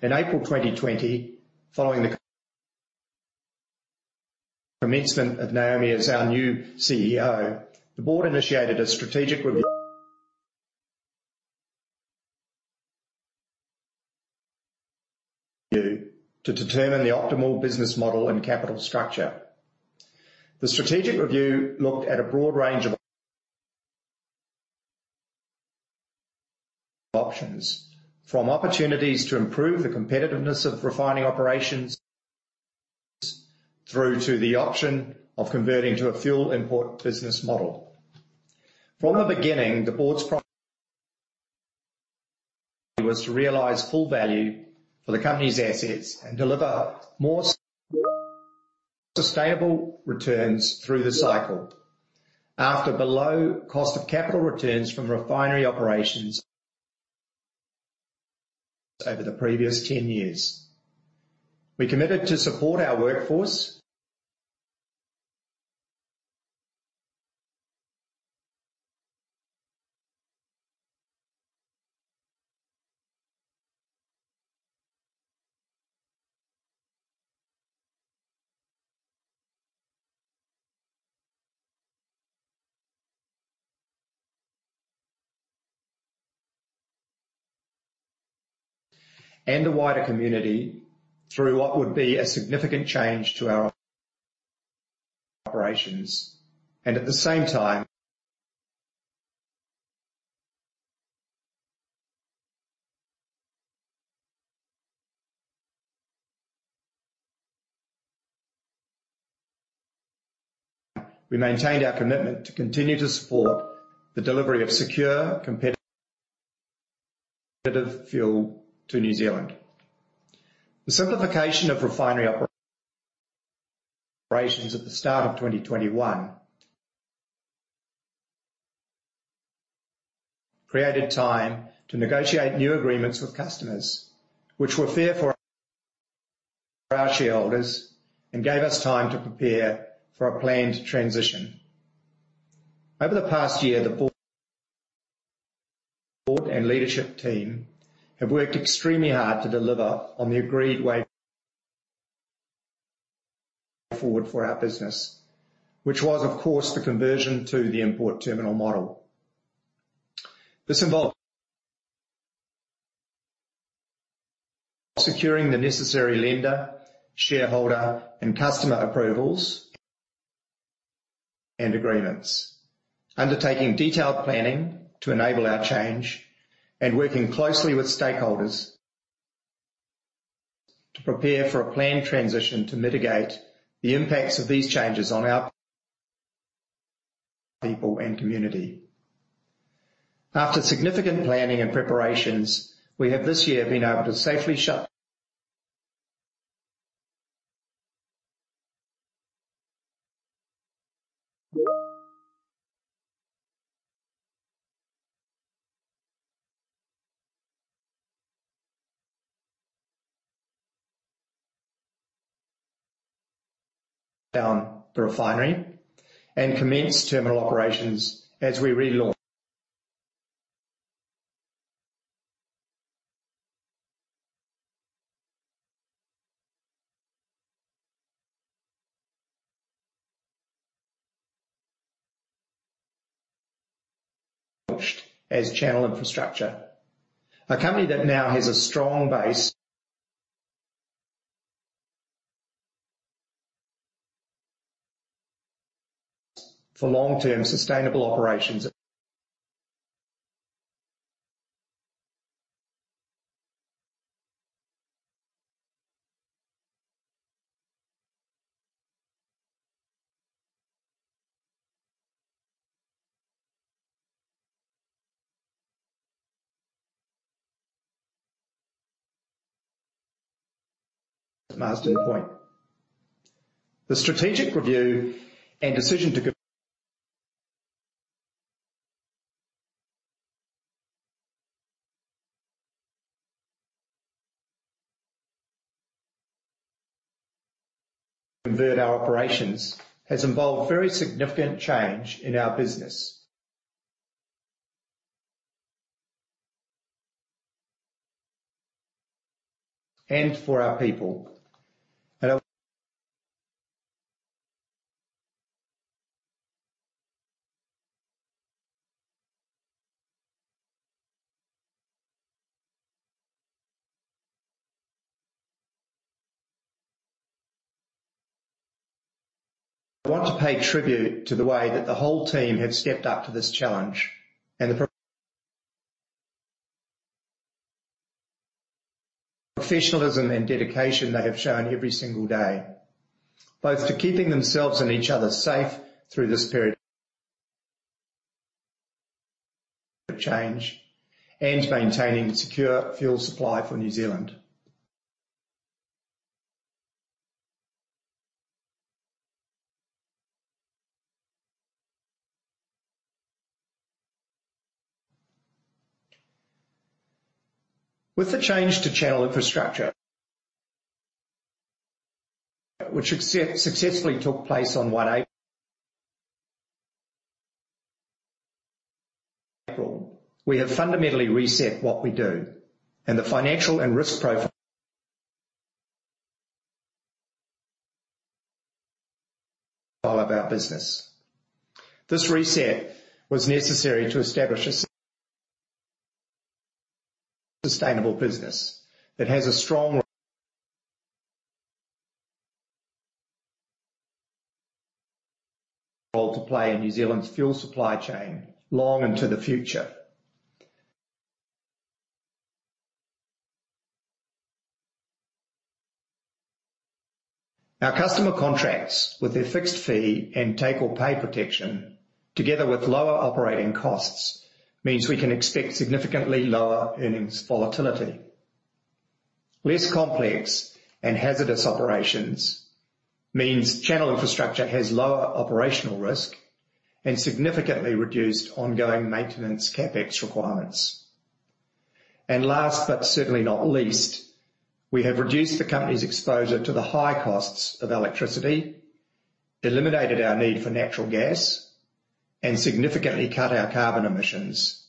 In April 2020, following the commencement of Naomi as our new CEO, the board initiated a strategic review to determine the optimal business model and capital structure. The strategic review looked at a broad range of options, from opportunities to improve the competitiveness of refining operations through to the option of converting to a fuel import business model. From the beginning, the board's priority was to realize full value for the company's assets and deliver more sustainable returns through the cycle. After below cost of capital returns from refinery operations over the previous 10 years, we committed to support our workforce and the wider community through what would be a significant change to our operations. At the same time, we maintained our commitment to continue to support the delivery of secure, competitive fuel to New Zealand. The simplification of refinery operations at the start of 2021 created time to negotiate new agreements with customers which were fair for our shareholders and gave us time to prepare for a planned transition. Over the past year, the board and leadership team have worked extremely hard to deliver on the agreed way forward for our business, which was of course the conversion to the import terminal model. This involved securing the necessary lender, shareholder and customer approvals and agreements, undertaking detailed planning to enable our change, and working closely with stakeholders to prepare for a planned transition to mitigate the impacts of these changes on our people and community. After significant planning and preparations, we have this year been able to safely shut down the refinery and commence terminal operations as we relaunch as Channel Infrastructure, a company that now has a strong base for long-term sustainable operations. The strategic review and decision to convert our operations has involved very significant change in our business and for our people. I want to pay tribute to the way that the whole team have stepped up to this challenge and the professionalism and dedication they have shown every single day, both to keeping themselves and each other safe through this period of change and maintaining secure fuel supply for New Zealand. With the change to Channel Infrastructure, which successfully took place on 1 April. We have fundamentally reset what we do and the financial and risk profile of our business. This reset was necessary to establish a sustainable business that has a strong role to play in New Zealand's fuel supply chain long into the future. Our customer contracts with their fixed fee and take-or-pay protection, together with lower operating costs, means we can expect significantly lower earnings volatility. Less complex and hazardous operations means Channel Infrastructure has lower operational risk and significantly reduced ongoing maintenance CapEx requirements. Last but certainly not least, we have reduced the company's exposure to the high costs of electricity, eliminated our need for natural gas, and significantly cut our carbon emissions,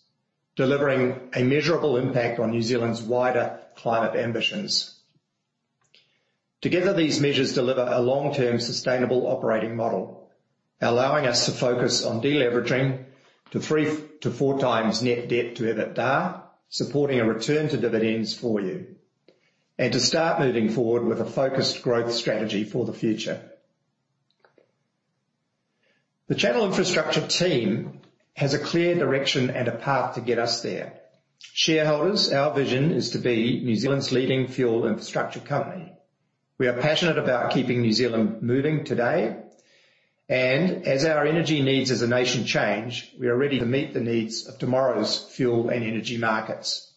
delivering a measurable impact on New Zealand's wider climate ambitions. Together, these measures deliver a long-term sustainable operating model, allowing us to focus on de-leveraging to 3x-4x net debt to EBITDA, supporting a return to dividends for you, and to start moving forward with a focused growth strategy for the future. The Channel Infrastructure team has a clear direction and a path to get us there. Shareholders, our vision is to be New Zealand's leading fuel infrastructure company. We are passionate about keeping New Zealand moving today. As our energy needs as a nation change, we are ready to meet the needs of tomorrow's fuel and energy markets.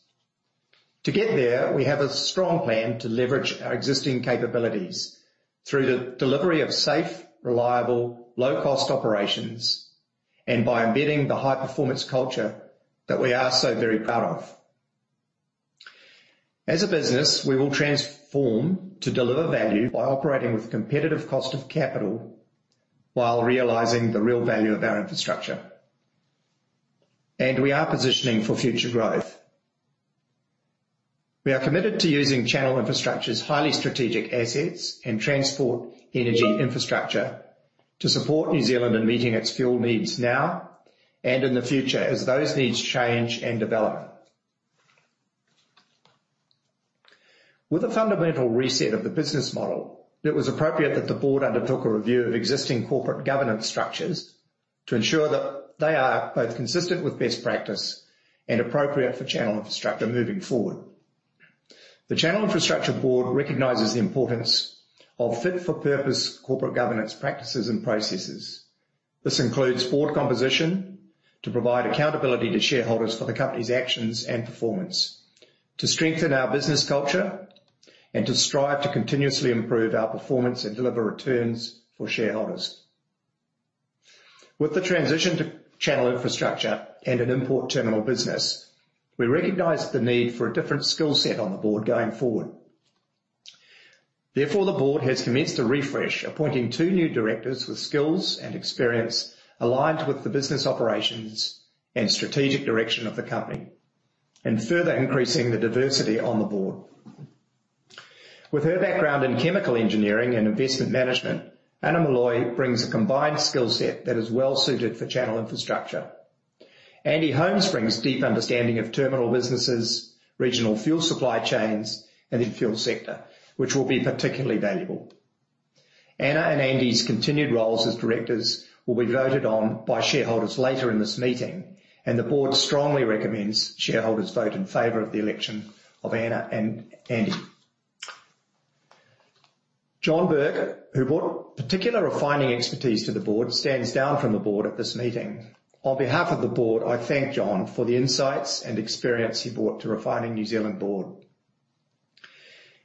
To get there, we have a strong plan to leverage our existing capabilities through the delivery of safe, reliable, low-cost operations and by embedding the high-performance culture that we are so very proud of. As a business, we will transform to deliver value by operating with competitive cost of capital while realizing the real value of our infrastructure. We are positioning for future growth. We are committed to using Channel Infrastructure's highly strategic assets and transport energy infrastructure to support New Zealand in meeting its fuel needs now and in the future as those needs change and develop. With the fundamental reset of the business model, it was appropriate that the board undertook a review of existing corporate governance structures to ensure that they are both consistent with best practice and appropriate for Channel Infrastructure moving forward. The Channel Infrastructure board recognizes the importance of fit-for-purpose corporate governance practices and processes. This includes board composition to provide accountability to shareholders for the company's actions and performance, to strengthen our business culture, and to strive to continuously improve our performance and deliver returns for shareholders. With the transition to Channel Infrastructure and an import terminal business, we recognized the need for a different skill set on the board going forward. Therefore, the board has commenced a refresh, appointing two new directors with skills and experience aligned with the business operations and strategic direction of the company and further increasing the diversity on the board. With her background in chemical engineering and investment management, Anna Molloy brings a combined skill set that is well suited for Channel Infrastructure. Andy Holmes brings deep understanding of terminal businesses, regional fuel supply chains, and the fuel sector, which will be particularly valuable. Anna and Andy's continued roles as directors will be voted on by shareholders later in this meeting, and the board strongly recommends shareholders vote in favor of the election of Anna and Andy. John Bourke, who brought particular refining expertise to the board, stands down from the board at this meeting. On behalf of the board, I thank John for the insights and experience he brought to Refining New Zealand Board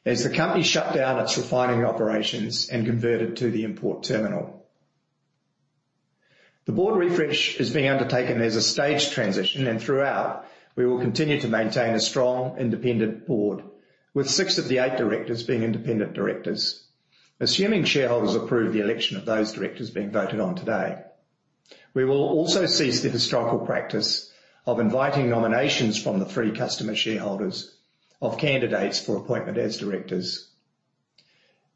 as the company shut down its refining operations and converted to the import terminal. The board refresh is being undertaken as a staged transition, and throughout, we will continue to maintain a strong independent board, with six of the eight directors being independent directors. Assuming shareholders approve the election of those directors being voted on today, we will also cease the historical practice of inviting nominations from the three customer shareholders of candidates for appointment as directors.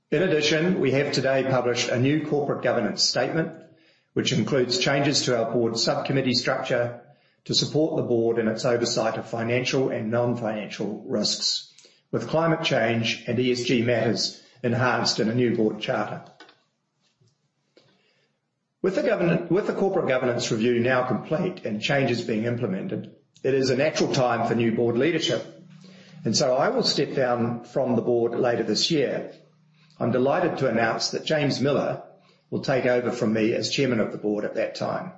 In addition, we have today published a new corporate governance statement, which includes changes to our board subcommittee structure to support the board in its oversight of financial and non-financial risks, with climate change and ESG matters enhanced in a new board charter. With the corporate governance review now complete and changes being implemented, it is a natural time for new board leadership, and so I will step down from the board later this year. I'm delighted to announce that James Miller will take over from me as Chairman of the Board at that time.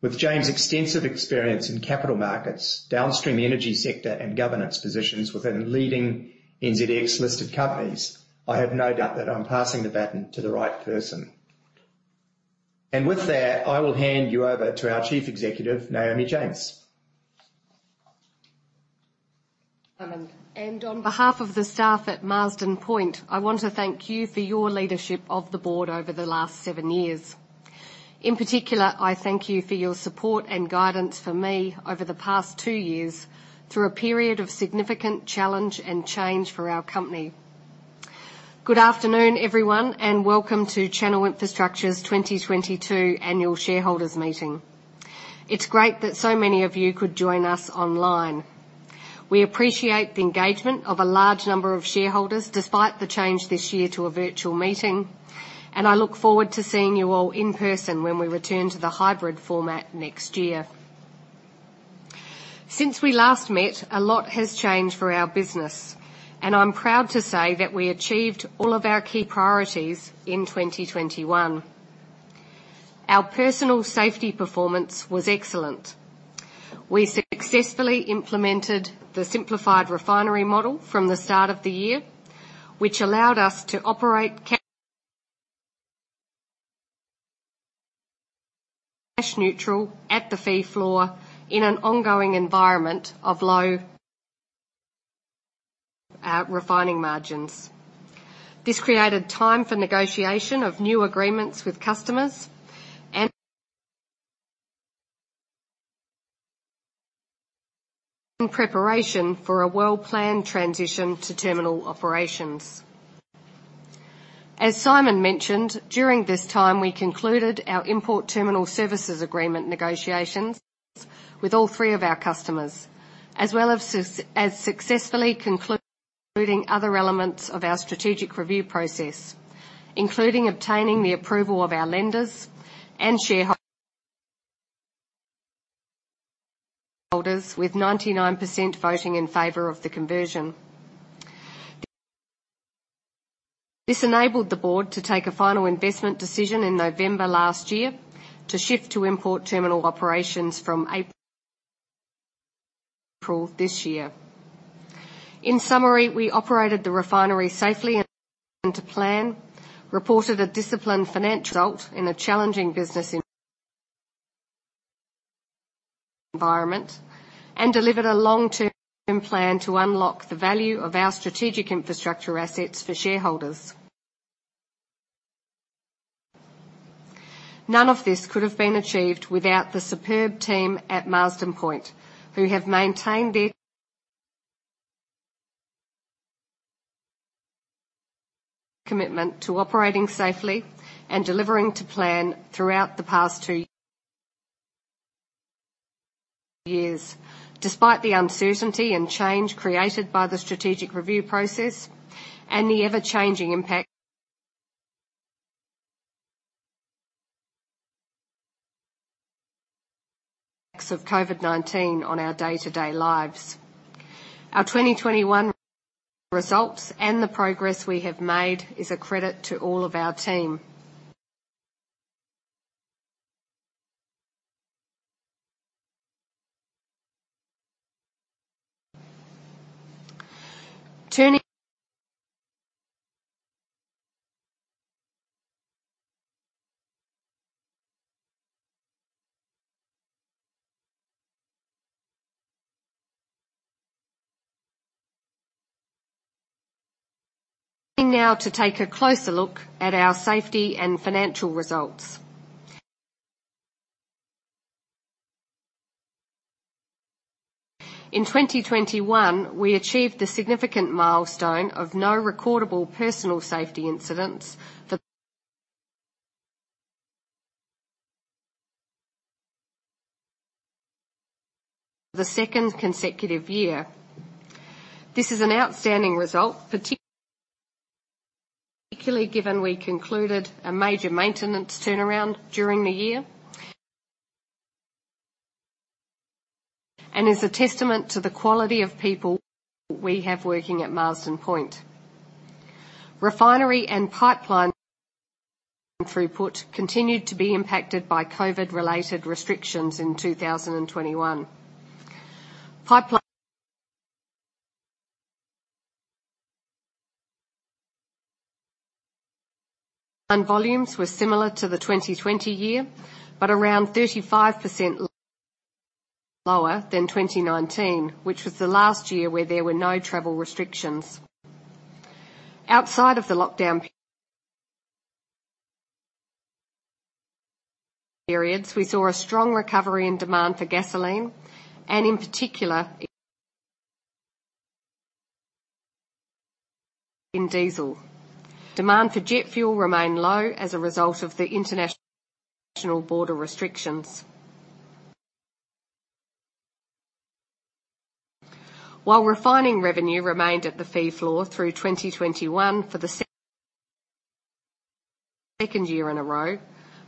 With James' extensive experience in capital markets, downstream energy sector, and governance positions within leading NZX-listed companies, I have no doubt that I'm passing the baton to the right person. With that, I will hand you over to our Chief Executive, Naomi James. On behalf of the staff at Marsden Point, I want to thank you for your leadership of the board over the last seven years. In particular, I thank you for your support and guidance for me over the past two years through a period of significant challenge and change for our company. Good afternoon, everyone, and welcome to Channel Infrastructure's 2022 annual shareholders meeting. It's great that so many of you could join us online. We appreciate the engagement of a large number of shareholders despite the change this year to a virtual meeting, and I look forward to seeing you all in person when we return to the hybrid format next year. Since we last met, a lot has changed for our business, and I'm proud to say that we achieved all of our key priorities in 2021. Our personal safety performance was excellent. We successfully implemented the simplified refinery model from the start of the year, which allowed us to operate cash neutral at the fee floor in an ongoing environment of low refining margins. This created time for negotiation of new agreements with customers and in preparation for a well-planned transition to terminal operations. As Simon mentioned, during this time, we concluded our import terminal services agreement negotiations with all three of our customers, as well as successfully concluding other elements of our strategic review process, including obtaining the approval of our lenders and shareholders with 99% voting in favor of the conversion. This enabled the board to take a final investment decision in November last year to shift to import terminal operations from April this year. In summary, we operated the refinery safely and to plan, reported a disciplined financial result in a challenging business environment, and delivered a long-term plan to unlock the value of our strategic infrastructure assets for shareholders. None of this could have been achieved without the superb team at Marsden Point, who have maintained their commitment to operating safely and delivering to plan throughout the past two years despite the uncertainty and change created by the strategic review process and the ever-changing impact of COVID-19 on our day-to-day lives. Our 2021 results and the progress we have made is a credit to all of our team. Turning now to take a closer look at our safety and financial results. In 2021, we achieved the significant milestone of no recordable personal safety incidents for the second consecutive year. This is an outstanding result, particularly given we concluded a major maintenance turnaround during the year and is a testament to the quality of people we have working at Marsden Point. Refinery and pipeline throughput continued to be impacted by COVID-related restrictions in 2021. Pipeline volumes were similar to the 2020 year, but around 35% lower than 2019, which was the last year where there were no travel restrictions. Outside of the lockdown periods, we saw a strong recovery in demand for gasoline and in particular in diesel. Demand for jet fuel remained low as a result of the international border restrictions. While refining revenue remained at the fee floor through 2021 for the second year in a row,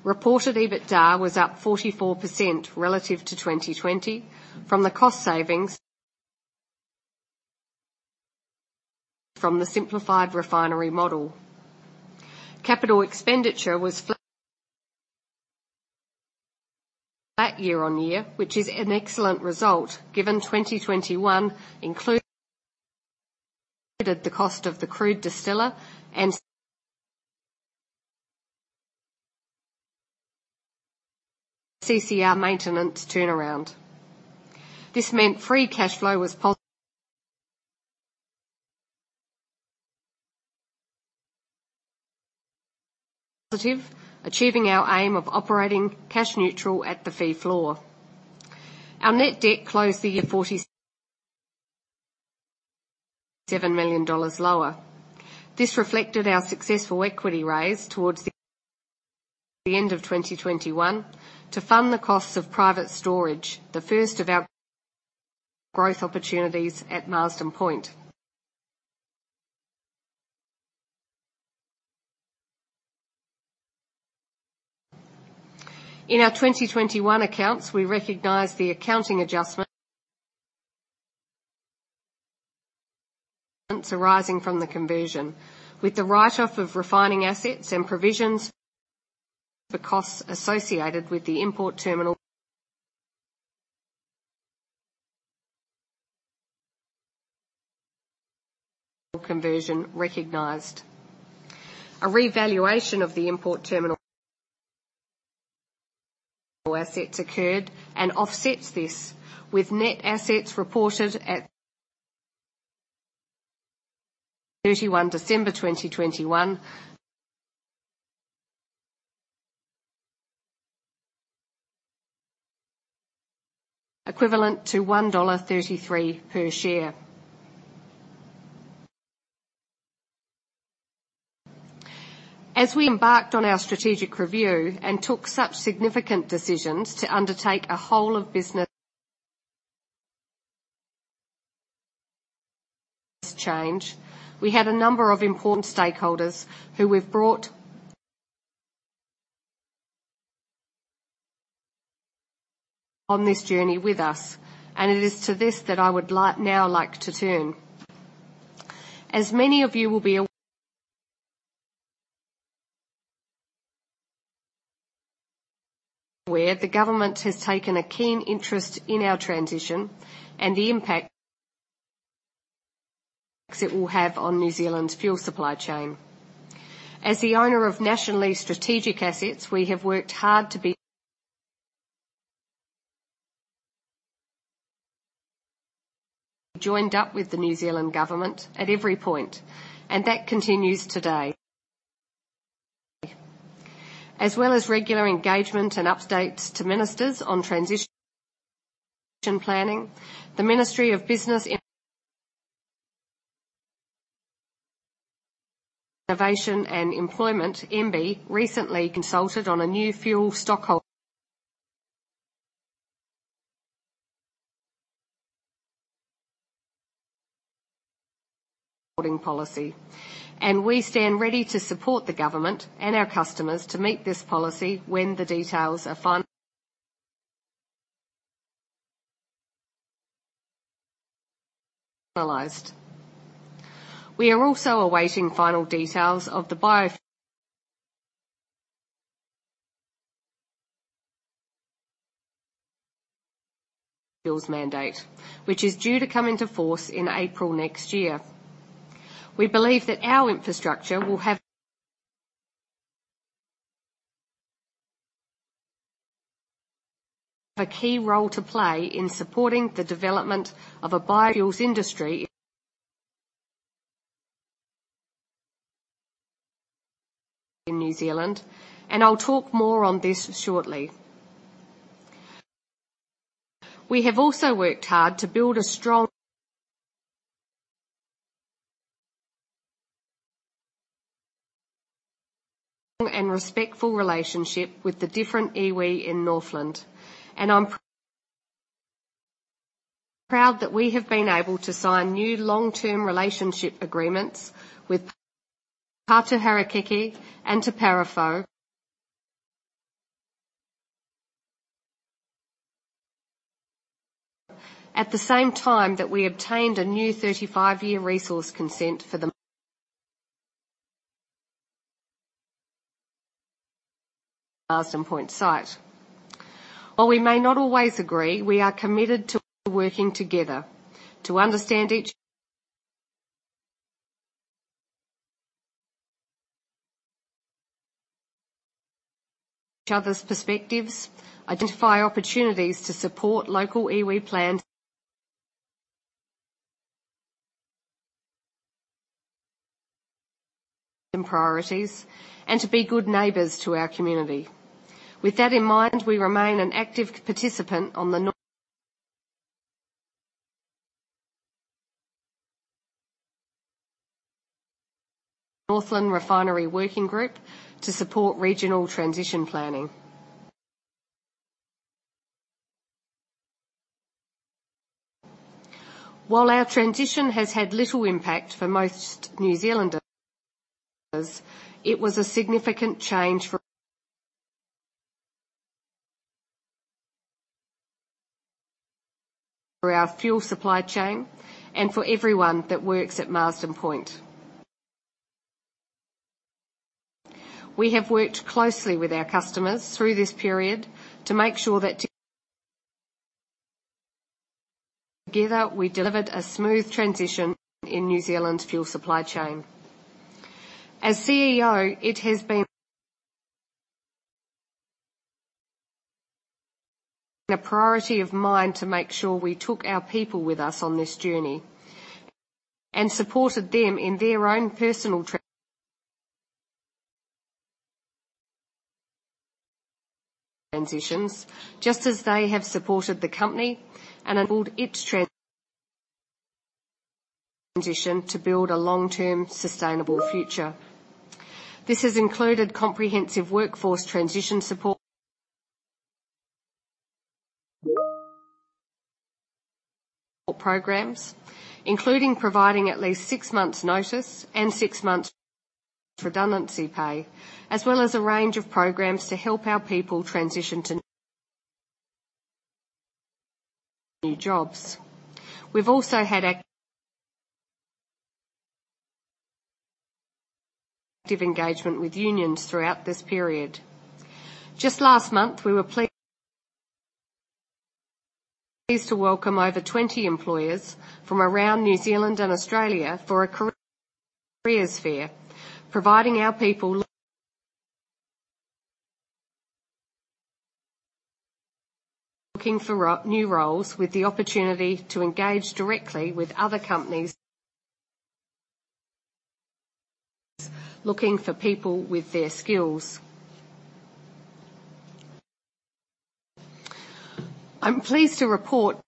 reported EBITDA was up 44% relative to 2020 from the cost savings from the simplified refinery model. Capital expenditure was flat year-over-year, which is an excellent result given 2021 included the cost of the crude distiller and CCR maintenance turnaround. This meant free cash flow was positive, achieving our aim of operating cash neutral at the fee floor. Our net debt closed the year 47 million dollars lower. This reflected our successful equity raise towards the end of 2021 to fund the costs of private storage, the first of our growth opportunities at Marsden Point. In our 2021 accounts, we recognized the accounting adjustment arising from the conversion. With the write-off of refining assets and provisions, the costs associated with the import terminal conversion recognized. A revaluation of the import terminal assets occurred and offsets this, with net assets reported at 31 December 2021, equivalent to 1.33 dollar per share. As we embarked on our strategic review and took such significant decisions to undertake a whole of business change, we had a number of important stakeholders who we've brought on this journey with us, and it is to this that I would like now to turn. As many of you will be aware, the government has taken a keen interest in our transition and the impact it will have on New Zealand's fuel supply chain. As the owner of nationally strategic assets, we have worked hard to be joined up with the New Zealand government at every point, and that continues today. As well as regular engagement and updates to ministers on transition planning, the Ministry of Business, Innovation and Employment, MBIE, recently consulted on a new fuel stocking policy, and we stand ready to support the government and our customers to meet this policy when the details are finalized. We are also awaiting final details of the biofuels mandate, which is due to come into force in April next year. We believe that our infrastructure will have a key role to play in supporting the development of a biofuels industry in New Zealand, and I'll talk more on this shortly. We have also worked hard to build a strong and respectful relationship with the different iwi in Northland, and I'm proud that we have been able to sign new long-term relationship agreements with Ngāti Raukawa and Te Parawhau at the same time that we obtained a new 35-year resource consent for the Marsden Point site. While we may not always agree, we are committed to working together to understand each other's perspectives, identify opportunities to support local iwi plans and priorities, and to be good neighbors to our community. With that in mind, we remain an active participant on the Northland Refinery Working Group to support regional transition planning. While our transition has had little impact for most New Zealanders, it was a significant change for our fuel supply chain and for everyone that works at Marsden Point. We have worked closely with our customers through this period to make sure together, we delivered a smooth transition in New Zealand's fuel supply chain. As CEO, it has been a priority of mine to make sure we took our people with us on this journey and supported them in their own personal transitions, just as they have supported the company and its transition to build a long-term sustainable future. This has included comprehensive workforce transition support programs, including providing at least six months notice and six months redundancy pay, as well as a range of programs to help our people transition to new jobs. We've also had active engagement with unions throughout this period. Just last month, we were pleased to welcome over 20 employers from around New Zealand and Australia for a careers fair, providing our people looking for new roles with the opportunity to engage directly with other companies looking for people with their skills. I'm pleased to report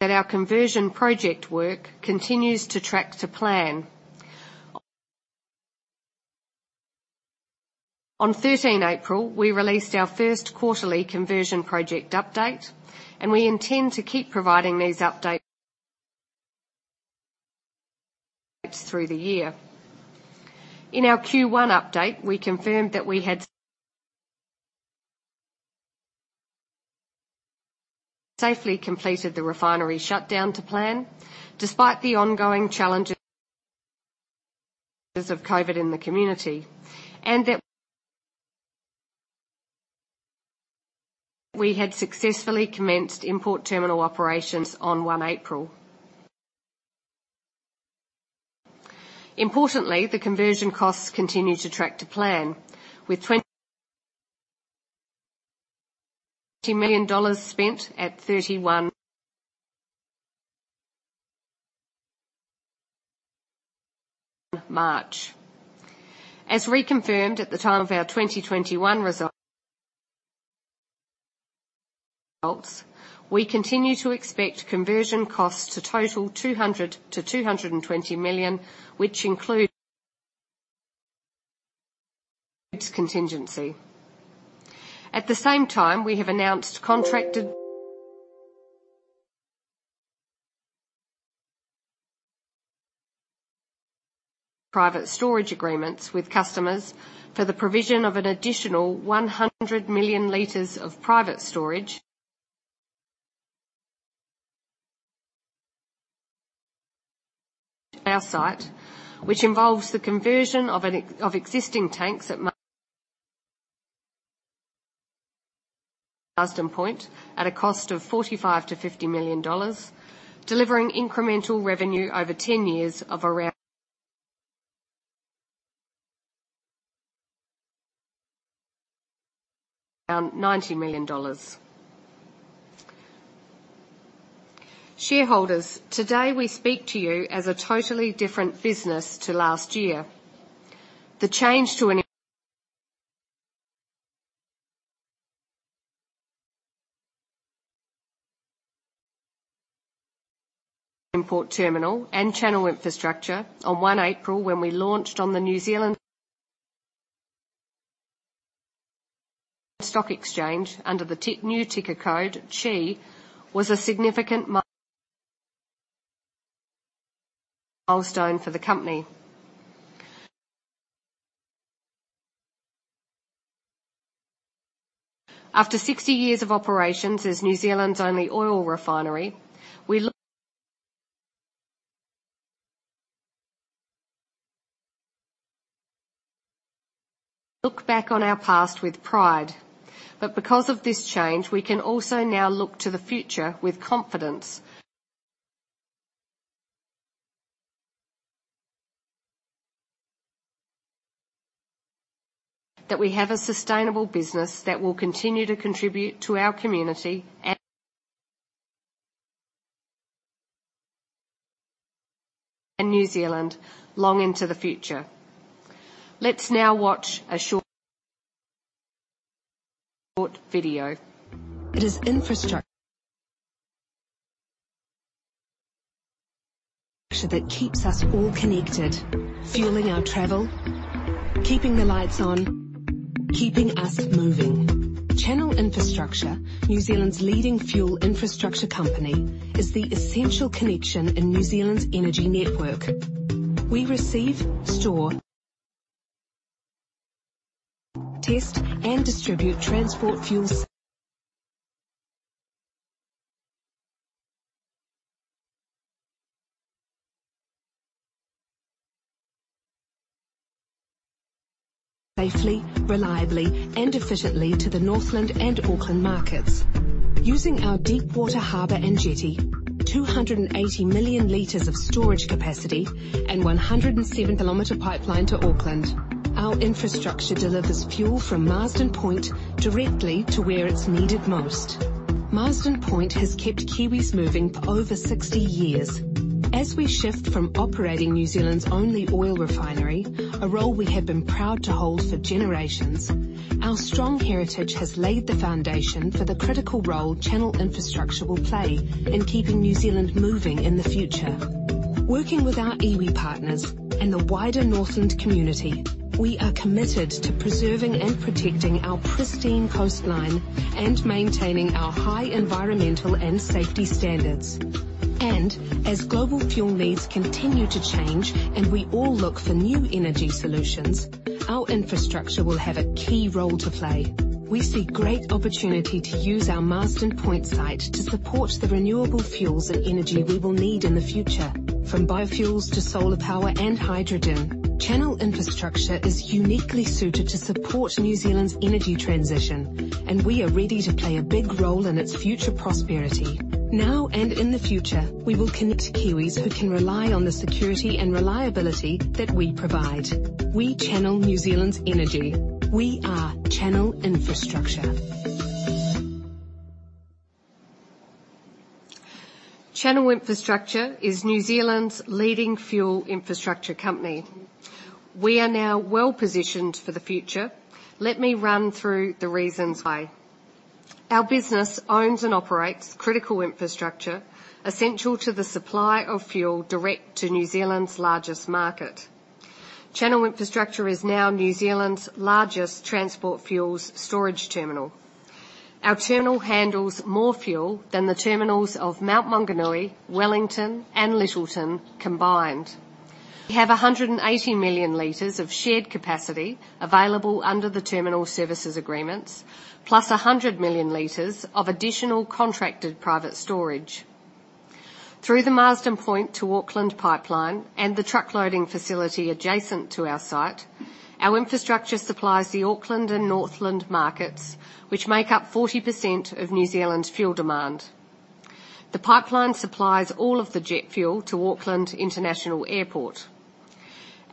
that our conversion project work continues to track to plan. On 13 April, we released our first quarterly conversion project update, and we intend to keep providing these updates through the year. In our Q1 update, we confirmed that we had safely completed the refinery shutdown to plan despite the ongoing challenges of COVID in the community, and that we had successfully commenced import terminal operations on 1 April. Importantly, the conversion costs continue to track to plan, with NZD 20 million spent at 31 March. As reconfirmed at the time of our 2021 results, we continue to expect conversion costs to total 200 million-220 million, which includes contingency. At the same time, we have announced contracted private storage agreements with customers for the provision of an additional 100 million liters of private storage. Our site, which involves the conversion of of existing tanks at Marsden Point at a cost of 45million-50 million dollars, delivering incremental revenue over 10 years of around NZD 90 million. Shareholders, today we speak to you as a totally different business to last year. The change to an import terminal and Channel Infrastructure on 1 April, when we launched on the New Zealand Stock Exchange under the new ticker code, CHI, was a significant milestone for the company. After 60 years of operations as New Zealand's only oil refinery, we look back on our past with pride, but because of this change, we can also now look to the future with confidence that we have a sustainable business that will continue to contribute to our community and New Zealand long into the future. Let's now watch a short video. It is infrastructure that keeps us all connected, fueling our travel, keeping the lights on, keeping us moving. Channel Infrastructure, New Zealand's leading fuel infrastructure company, is the essential connection in New Zealand's energy network. We receive, store, test, and distribute transport fuels. Safely, reliably, and efficiently to the Northland and Auckland markets. Using our deepwater harbor and jetty, 280 million liters of storage capacity, and 107-kilometer pipeline to Auckland, our infrastructure delivers fuel from Marsden Point directly to where it's needed most. Marsden Point has kept Kiwis moving for over 60 years. As we shift from operating New Zealand's only oil refinery, a role we have been proud to hold for generations, our strong heritage has laid the foundation for the critical role Channel Infrastructure will play in keeping New Zealand moving in the future. Working with our Iwi partners and the wider Northland community, we are committed to preserving and protecting our pristine coastline and maintaining our high environmental and safety standards. As global fuel needs continue to change, and we all look for new energy solutions, our infrastructure will have a key role to play. We see great opportunity to use our Marsden Point site to support the renewable fuels and energy we will need in the future, from biofuels to solar power and hydrogen. Channel Infrastructure is uniquely suited to support New Zealand's energy transition, and we are ready to play a big role in its future prosperity. Now, and in the future, we will connect to Kiwis who can rely on the security and reliability that we provide. We channel New Zealand's energy. We are Channel Infrastructure. Channel Infrastructure is New Zealand's leading fuel infrastructure company. We are now well-positioned for the future. Let me run through the reasons why. Our business owns and operates critical infrastructure, essential to the supply of fuel direct to New Zealand's largest market. Channel Infrastructure is now New Zealand's largest transport fuels storage terminal. Our terminal handles more fuel than the terminals of Mount Maunganui, Wellington, and Lyttelton combined. We have 180 million liters of shared capacity available under the terminal services agreements, plus 100 million liters of additional contracted private storage. Through the Marsden Point to Auckland Pipeline and the truck loading facility adjacent to our site, our infrastructure supplies the Auckland and Northland markets, which make up 40% of New Zealand's fuel demand. The pipeline supplies all of the jet fuel to Auckland International Airport.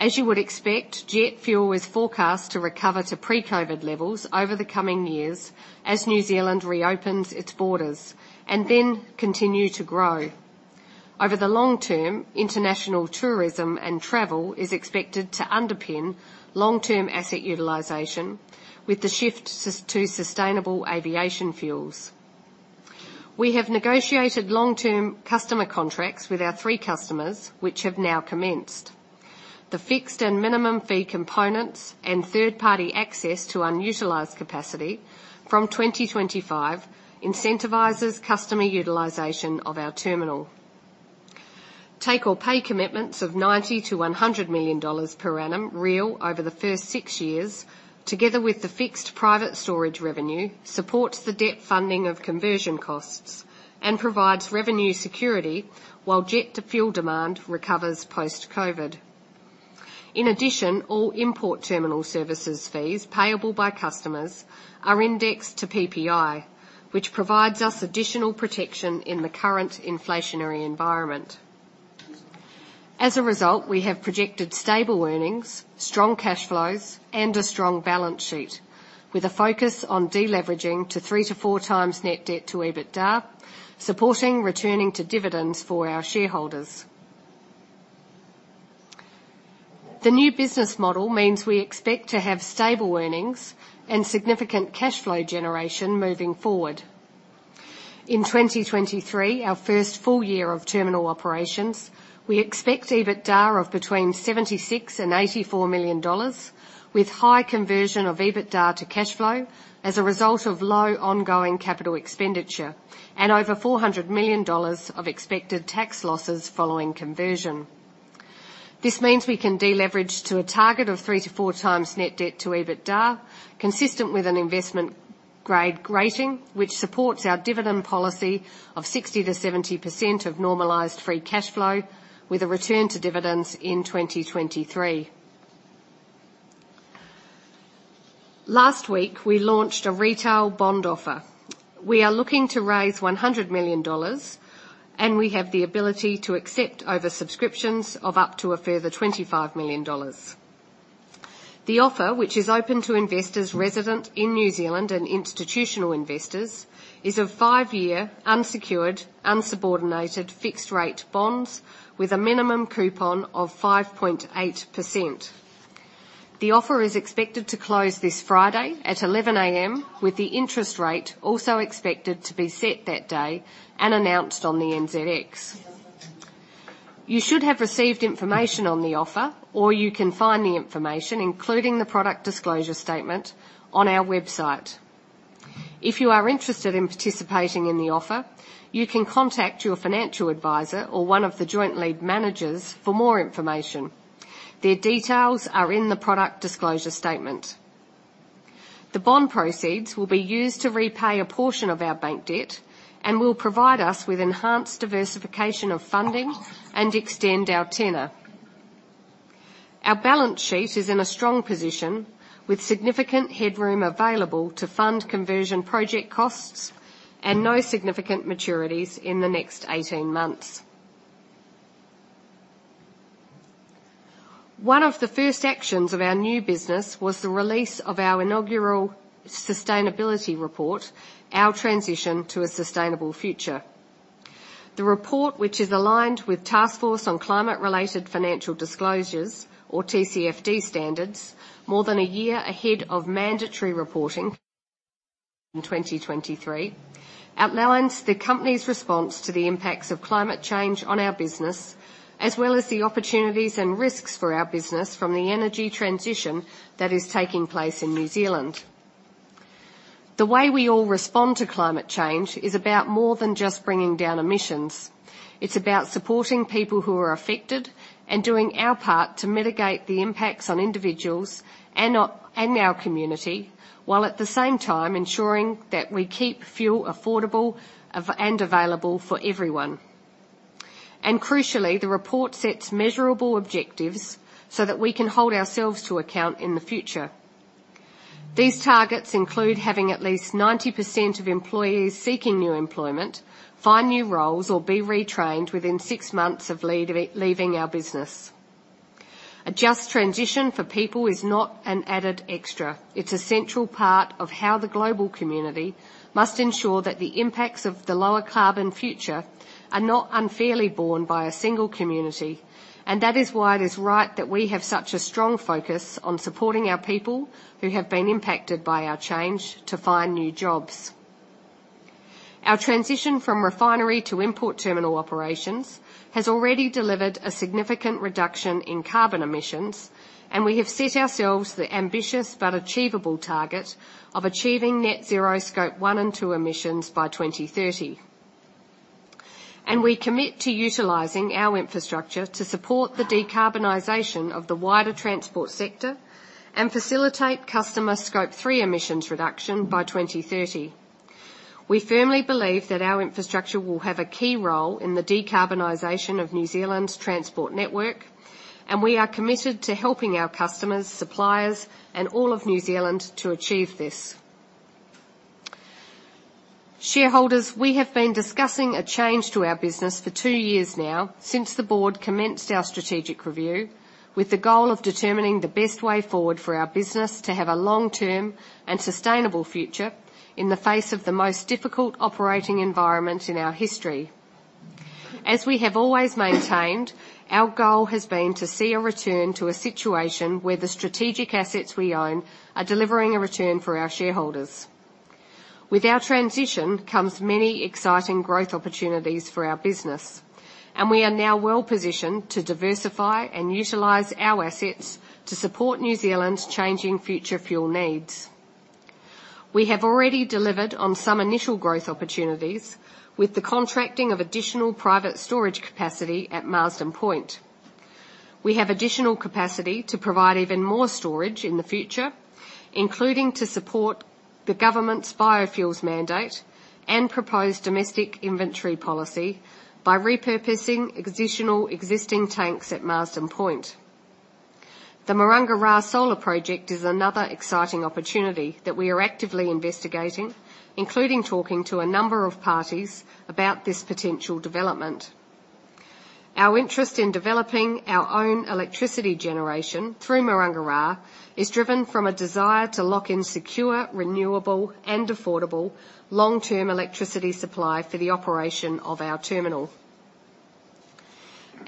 As you would expect, jet fuel is forecast to recover to pre-COVID levels over the coming years as New Zealand reopens its borders, and then continue to grow. Over the long term, international tourism and travel is expected to underpin long-term asset utilization with the shift to sustainable aviation fuels. We have negotiated long-term customer contracts with our three customers, which have now commenced. The fixed and minimum fee components and third-party access to unutilized capacity from 2025 incentivizes customer utilization of our terminal. Take or pay commitments of 90 million-100 million dollars per annum real over the first six years, together with the fixed private storage revenue, supports the debt funding of conversion costs and provides revenue security while jet fuel demand recovers post-COVID. In addition, all import terminal services fees payable by customers are indexed to PPI, which provides us additional protection in the current inflationary environment. As a result, we have projected stable earnings, strong cash flows, and a strong balance sheet with a focus on deleveraging to 3x-4x net debt to EBITDA, supporting returning to dividends for our shareholders. The new business model means we expect to have stable earnings and significant cash flow generation moving forward. In 2023, our first full year of terminal operations, we expect EBITDA of between 76 million and NZD 84 million, with high conversion of EBITDA to cash flow as a result of low ongoing capital expenditure and over 400 million dollars of expected tax losses following conversion. This means we can deleverage to a target of 3x-4x net debt to EBITDA, consistent with an investment-grade rating, which supports our dividend policy of 60%-70% of normalized free cash flow with a return to dividends in 2023. Last week, we launched a retail bond offer. We are looking to raise 100 million dollars, and we have the ability to accept oversubscriptions of up to a further 25 million dollars. The offer, which is open to investors resident in New Zealand and institutional investors, is a 5-year unsecured, unsubordinated fixed-rate bonds with a minimum coupon of 5.8%. The offer is expected to close this Friday at 11:00 A.M., with the interest rate also expected to be set that day and announced on the NZX. You should have received information on the offer, or you can find the information, including the product disclosure statement, on our website. If you are interested in participating in the offer, you can contact your financial advisor or one of the joint lead managers for more information. Their details are in the product disclosure statement. The bond proceeds will be used to repay a portion of our bank debt and will provide us with enhanced diversification of funding and extend our tenure. Our balance sheet is in a strong position with significant headroom available to fund conversion project costs and no significant maturities in the next 18 months. One of the first actions of our new business was the release of our inaugural sustainability report, Our Transition to a Sustainable Future. The report, which is aligned with Task Force on Climate-related Financial Disclosures or TCFD standards, more than a year ahead of mandatory reporting in 2023, outlines the company's response to the impacts of climate change on our business, as well as the opportunities and risks for our business from the energy transition that is taking place in New Zealand. The way we all respond to climate change is about more than just bringing down emissions. It's about supporting people who are affected and doing our part to mitigate the impacts on individuals and our community, while at the same time ensuring that we keep fuel affordable and available for everyone. Crucially, the report sets measurable objectives so that we can hold ourselves to account in the future. These targets include having at least 90% of employees seeking new employment, find new roles, or be retrained within six months of leaving our business. A just transition for people is not an added extra. It's a central part of how the global community must ensure that the impacts of the lower carbon future are not unfairly borne by a single community. That is why it is right that we have such a strong focus on supporting our people who have been impacted by our change to find new jobs. Our transition from refinery to import terminal operations has already delivered a significant reduction in carbon emissions, and we have set ourselves the ambitious but achievable target of achieving net zero Scope 1 and 2 emissions by 2030. We commit to utilizing our infrastructure to support the decarbonization of the wider transport sector and facilitate customer Scope 3 emissions reduction by 2030. We firmly believe that our infrastructure will have a key role in the decarbonization of New Zealand's transport network, and we are committed to helping our customers, suppliers, and all of New Zealand to achieve this. Shareholders, we have been discussing a change to our business for two years now since the board commenced our strategic review with the goal of determining the best way forward for our business to have a long-term and sustainable future in the face of the most difficult operating environment in our history. As we have always maintained, our goal has been to see a return to a situation where the strategic assets we own are delivering a return for our shareholders. With our transition comes many exciting growth opportunities for our business, and we are now well-positioned to diversify and utilize our assets to support New Zealand's changing future fuel needs. We have already delivered on some initial growth opportunities with the contracting of additional private storage capacity at Marsden Point. We have additional capacity to provide even more storage in the future, including to support the government's biofuels mandate and proposed domestic inventory policy by repurposing existing tanks at Marsden Point. The Maranga Ra solar project is another exciting opportunity that we are actively investigating, including talking to a number of parties about this potential development. Our interest in developing our own electricity generation through Maranga Ra is driven from a desire to lock in secure, renewable, and affordable long-term electricity supply for the operation of our terminal.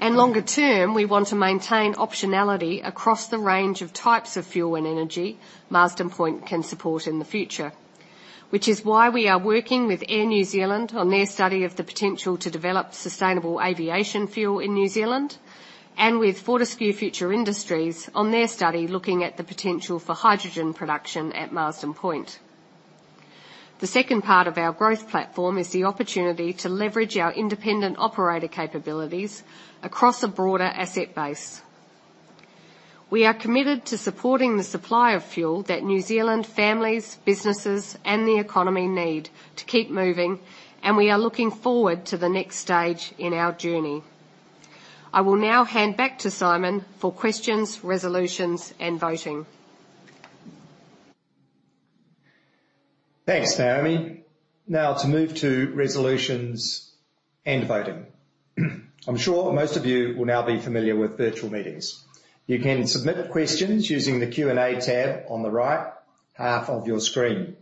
Longer term, we want to maintain optionality across the range of types of fuel and energy Marsden Point can support in the future. Which is why we are working with Air New Zealand on their study of the potential to develop sustainable aviation fuel in New Zealand and with Fortescue Future Industries on their study looking at the potential for hydrogen production at Marsden Point. The second part of our growth platform is the opportunity to leverage our independent operator capabilities across a broader asset base. We are committed to supporting the supply of fuel that New Zealand families, businesses, and the economy need to keep moving, and we are looking forward to the next stage in our journey. I will now hand back to Simon for questions, resolutions, and voting. Thanks, Naomi. Now to move to resolutions and voting. I'm sure most of you will now be familiar with virtual meetings. You can submit questions using the Q&A tab on the right half of your screen.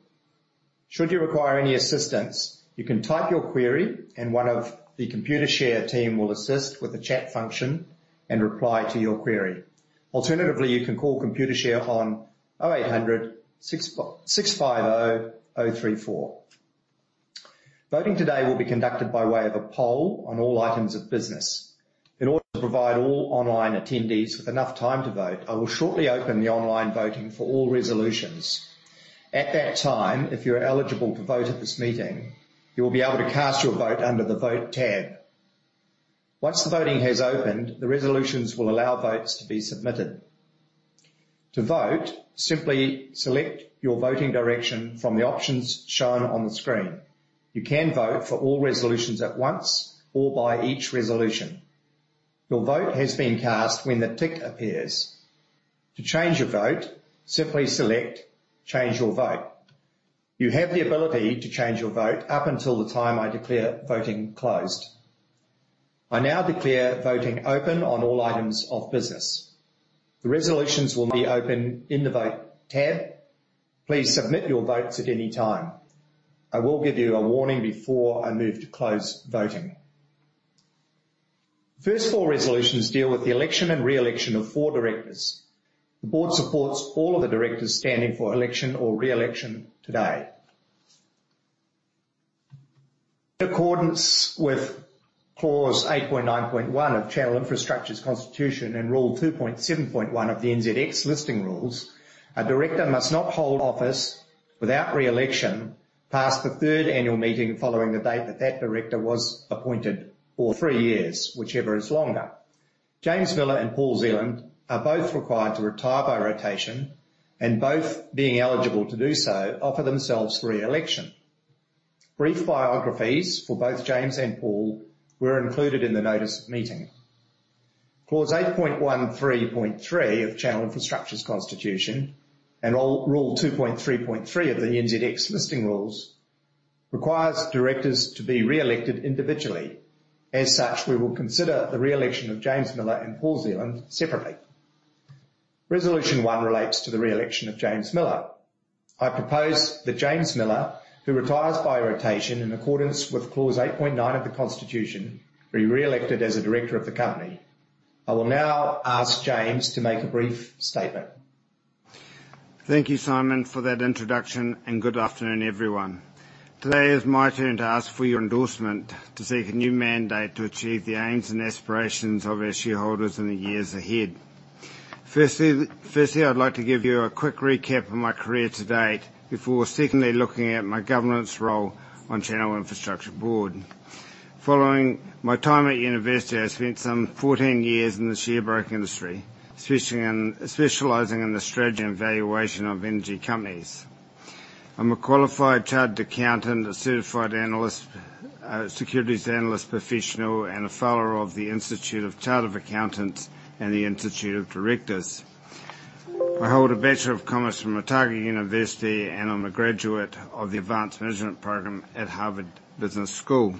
Should you require any assistance, you can type your query, and one of the Computershare team will assist with the chat function and reply to your query. Alternatively, you can call Computershare on 0800 646 5034. Voting today will be conducted by way of a poll on all items of business. In order to provide all online attendees with enough time to vote, I will shortly open the online voting for all resolutions. At that time, if you're eligible to vote at this meeting, you will be able to cast your vote under the Vote tab. Once the voting has opened, the resolutions will allow votes to be submitted. To vote, simply select your voting direction from the options shown on the screen. You can vote for all resolutions at once or by each resolution. Your vote has been cast when the tick appears. To change your vote, simply select Change Your Vote. You have the ability to change your vote up until the time I declare voting closed. I now declare voting open on all items of business. The resolutions will now be open in the Vote tab. Please submit your votes at any time. I will give you a warning before I move to close voting. The first four resolutions deal with the election and re-election of four directors. The board supports all of the directors standing for election or re-election today. In accordance with Clause 8.9.1 of Channel Infrastructure's Constitution and Rule 2.7.1 of the NZX Listing Rules, a director must not hold office without re-election past the third annual meeting following the date that director was appointed for three years, whichever is longer. James Miller and Paul Zealand are both required to retire by rotation, and both being eligible to do so, offer themselves for re-election. Brief biographies for both James and Paul were included in the notice of meeting. Clause 8.13.3 of Channel Infrastructure's Constitution and Rule 2.3.3 of the NZX Listing Rules requires directors to be re-elected individually. As such, we will consider the re-election of James Miller and Paul Zealand separately. Resolution 1 relates to the re-election of James Miller. I propose that James Miller, who retires by rotation in accordance with Clause 8.9 of the Constitution, be re-elected as a director of the company. I will now ask James to make a brief statement. Thank you, Simon, for that introduction, and good afternoon, everyone. Today it's my turn to ask for your endorsement to seek a new mandate to achieve the aims and aspirations of our shareholders in the years ahead. Firstly, I'd like to give you a quick recap of my career to date before secondly looking at my governance role on Channel Infrastructure Board. Following my time at university, I spent some 14 years in the sharebroking industry, specializing in the strategy and valuation of energy companies. I'm a qualified chartered accountant, a certified analyst, securities analyst professional, and a fellow of the Institute of Chartered Accountants and the Institute of Directors. I hold a Bachelor of Commerce from Otago University, and I'm a graduate of the Advanced Management program at Harvard Business School.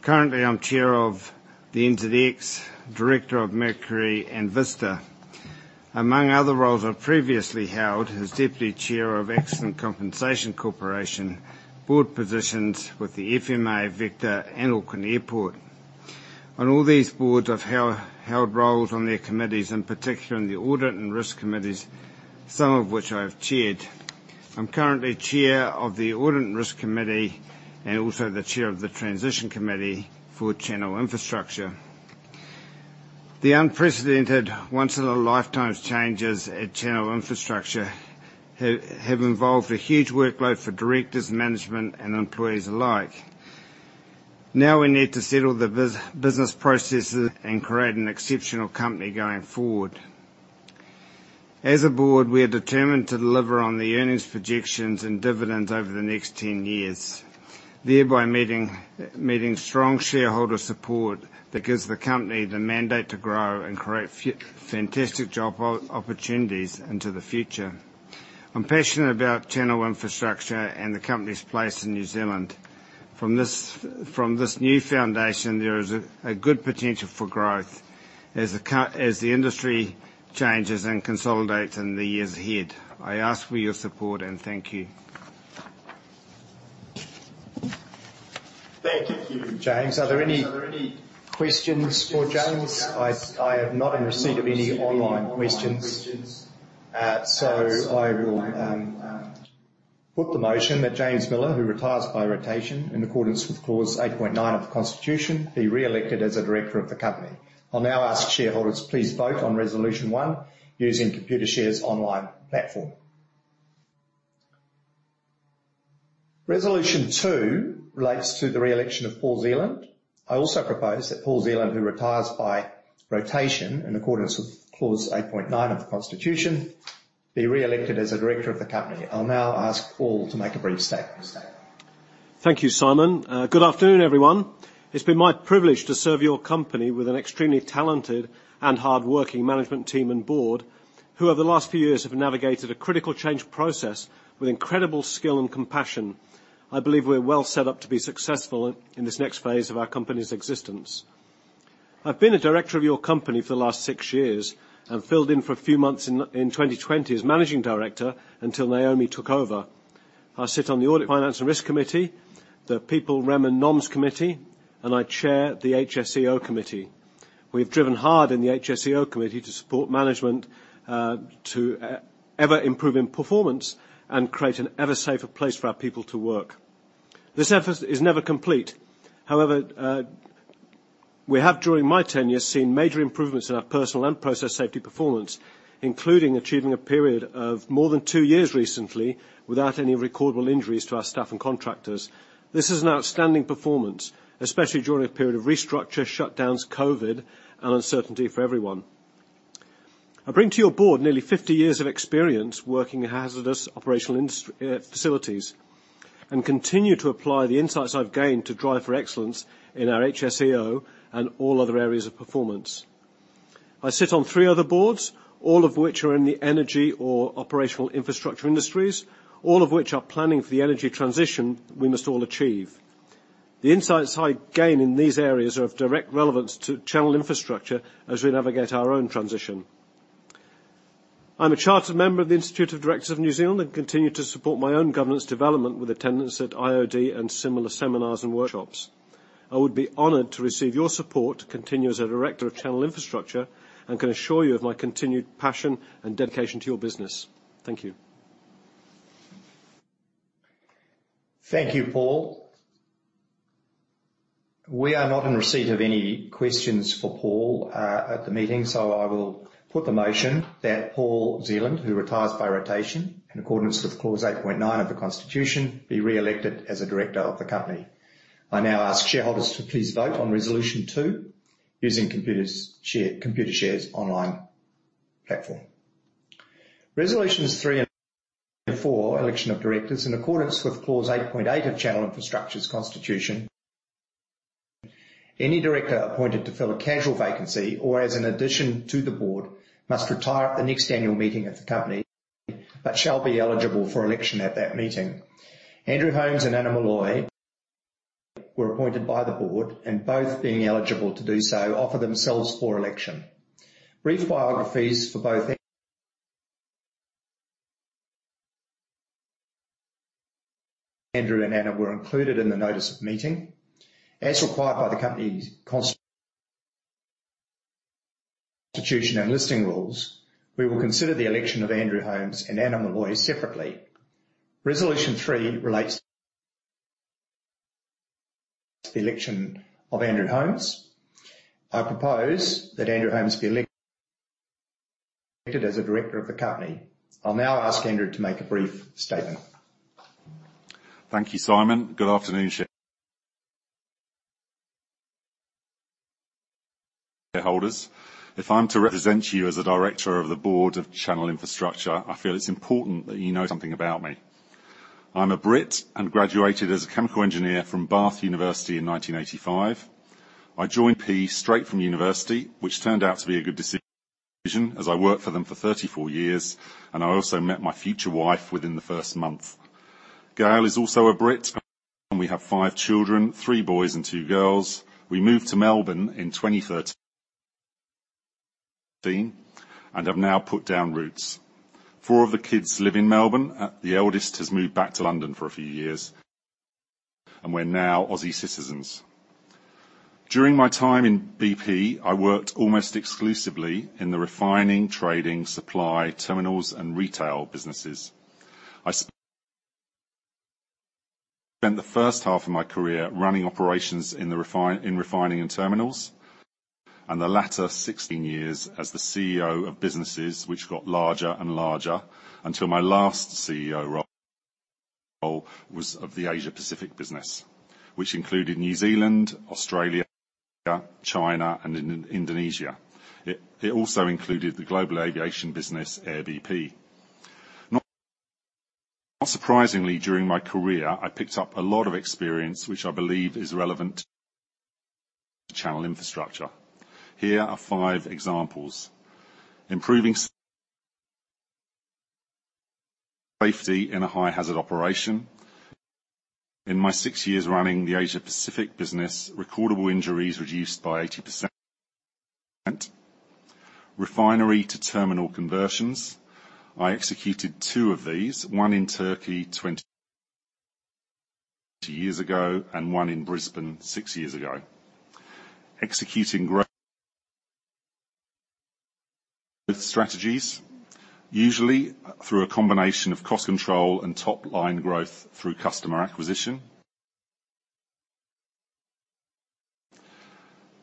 Currently, I'm chair of the NZX, director of Mercury and Vista. Among other roles I've previously held as Deputy Chair of Accident Compensation Corporation, board positions with the FMA, Vector, and Auckland Airport. On all these boards, I've held roles on their committees, in particular on the audit and risk committees, some of which I have chaired. I'm currently chair of the Audit and Risk Committee and also the chair of the Transition Committee for Channel Infrastructure. The unprecedented, once-in-a-lifetime changes at Channel Infrastructure have involved a huge workload for directors, management, and employees alike. Now we need to settle the business processes and create an exceptional company going forward. As a board, we are determined to deliver on the earnings projections and dividends over the next 10 years, thereby meeting strong shareholder support that gives the company the mandate to grow and create fantastic job opportunities into the future. I'm passionate about Channel Infrastructure and the company's place in New Zealand. From this new foundation, there is a good potential for growth as the industry changes and consolidates in the years ahead. I ask for your support, and thank you. Thank you, James. Are there any questions for James? I have not received any online questions. So I will put the motion that James Miller, who retires by rotation in accordance with Clause 8.9 of the Constitution, be re-elected as a director of the company. I'll now ask shareholders to please vote on resolution 1 using Computershare's online platform. Resolution 2 relates to the re-election of Paul Zealand. I also propose that Paul Zealand, who retires by rotation in accordance with Clause 8.9 of the Constitution, be re-elected as a director of the company. I'll now ask Paul to make a brief statement. Thank you, Simon. Good afternoon, everyone. It's been my privilege to serve your company with an extremely talented and hardworking management team and board who, over the last few years, have navigated a critical change process with incredible skill and compassion. I believe we're well set up to be successful in this next phase of our company's existence. I've been a director of your company for the last six years and filled in for a few months in 2020 as Managing Director until Naomi took over. I sit on the Audit, Risk and Finance Committee, the People, Rem, and Noms Committee, and I chair the HSEO Committee. We've driven hard in the HSEO Committee to support management to ever improve in performance and create an ever safer place for our people to work. This effort is never complete. However, we have during my tenure, seen major improvements in our personal and process safety performance, including achieving a period of more than two years recently without any recordable injuries to our staff and contractors. This is an outstanding performance, especially during a period of restructure, shutdowns, COVID, and uncertainty for everyone. I bring to your board nearly 50 years of experience working in hazardous operational facilities and continue to apply the insights I've gained to drive for excellence in our HSEO and all other areas of performance. I sit on three other boards, all of which are in the energy or operational infrastructure industries, all of which are planning for the energy transition we must all achieve. The insights I gain in these areas are of direct relevance to Channel Infrastructure as we navigate our own transition. I'm a chartered member of the Institute of Directors in New Zealand and continue to support my own governance development with attendance at IOD and similar seminars and workshops. I would be honored to receive your support to continue as a director of Channel Infrastructure and can assure you of my continued passion and dedication to your business. Thank you. Thank you, Paul. We are not in receipt of any questions for Paul at the meeting, so I will put the motion that Paul Zealand, who retires by rotation in accordance with Clause 8.9 of the Constitution, be reelected as a director of the company. I now ask shareholders to please vote on Resolution 2 using Computershare's online platform. Resolutions 3 and 4, election of directors in accordance with Clause 8.8 of Channel Infrastructure's Constitution. Any director appointed to fill a casual vacancy or as an addition to the board must retire at the next annual meeting of the company, but shall be eligible for election at that meeting. Andrew Holmes and Anna Molloy were appointed by the board and both being eligible to do so, offer themselves for election. Brief biographies for both Andrew and Anna were included in the notice of meeting. As required by the company's constitution and listing rules, we will consider the election of Andrew Holmes and Anna Molloy separately. Resolution 3 relates to the election of Andrew Holmes. I propose that Andrew Holmes be elected as a director of the company. I'll now ask Andrew to make a brief statement. Thank you, Simon. Good afternoon, shareholders. If I'm to represent you as a director of the board of Channel Infrastructure, I feel it's important that you know something about me. I'm a Brit and graduated as a chemical engineer from University of Bath in 1985. I joined BP straight from university, which turned out to be a good decision as I worked for them for 34 years, and I also met my future wife within the first month. Gail is also a Brit, and we have five children, three boys and two girls. We moved to Melbourne in 2013 and have now put down roots. Four of the kids live in Melbourne. The eldest has moved back to London for a few years, and we're now Aussie citizens. During my time in BP, I worked almost exclusively in the refining, trading, supply, terminals, and retail businesses. I spent the first half of my career running operations in refining and terminals, and the latter 16 years as the CEO of businesses which got larger and larger until my last CEO role was of the Asia Pacific business, which included New Zealand, Australia, China, and Indonesia. It also included the global aviation business, Air BP. Not surprisingly, during my career, I picked up a lot of experience, which I believe is relevant to Channel Infrastructure. Here are five examples. Improving safety in a high hazard operation. In my six years running the Asia Pacific business, recordable injuries reduced by 80%. Refinery to terminal conversions. I executed two of these, one in Turkey 20 years ago and one in Brisbane six years ago. Executing growth strategies, usually through a combination of cost control and top-line growth through customer acquisition.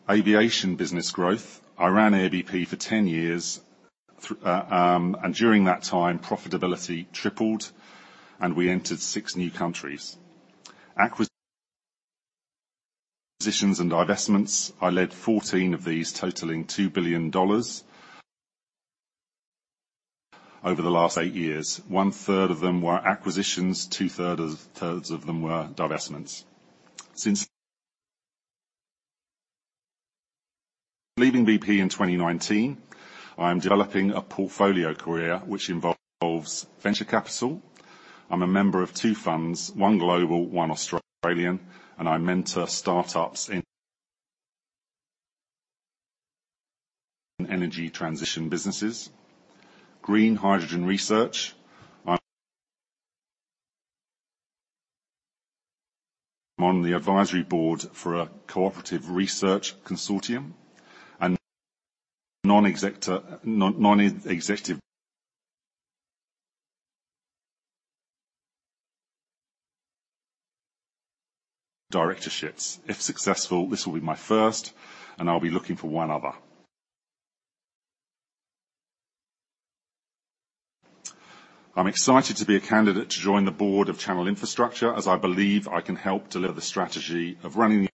Aviation business growth. I ran Air BP for 10 years, and during that time, profitability tripled and we entered six new countries. Acquisitions and divestments. I led 14 of these totaling $2 billion over the last eight years. One-third of them were acquisitions, 2/3 of them were divestments. Since leaving BP in 2019, I am developing a portfolio career which involves venture capital. I'm a member of two funds, one global, one Australian, and I mentor startups in energy transition businesses. Green hydrogen research. I'm on the advisory board for a cooperative research consortium and non-executive directorships. If successful, this will be my first, and I'll be looking for one other. I'm excited to be a candidate to join the board of Channel Infrastructure as I believe I can help deliver the strategy of running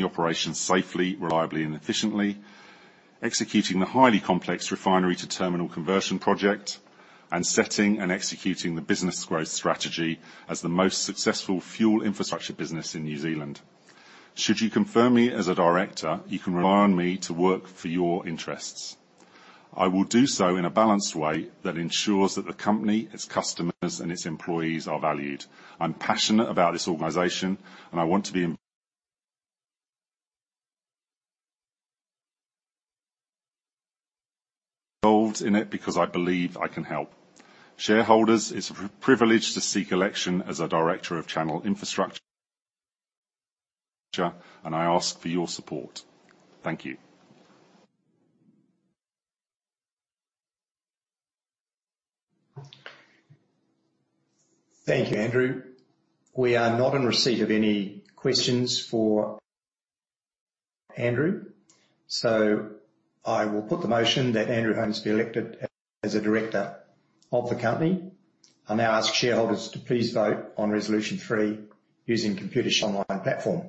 operations safely, reliably and efficiently, executing the highly complex refinery to terminal conversion project, and setting and executing the business growth strategy as the most successful fuel infrastructure business in New Zealand. Should you confirm me as a director, you can rely on me to work for your interests. I will do so in a balanced way that ensures that the company, its customers and its employees are valued. I'm passionate about this organization, and I want to be involved in it because I believe I can help. Shareholders, it's a privilege to seek election as a director of Channel Infrastructure, and I ask for your support. Thank you. Thank you, Andrew. We are not in receipt of any questions for Andrew, so I will put the motion that Andrew Holmes be elected as a director of the company. I now ask shareholders to please vote on resolution 3 using Computershare online platform.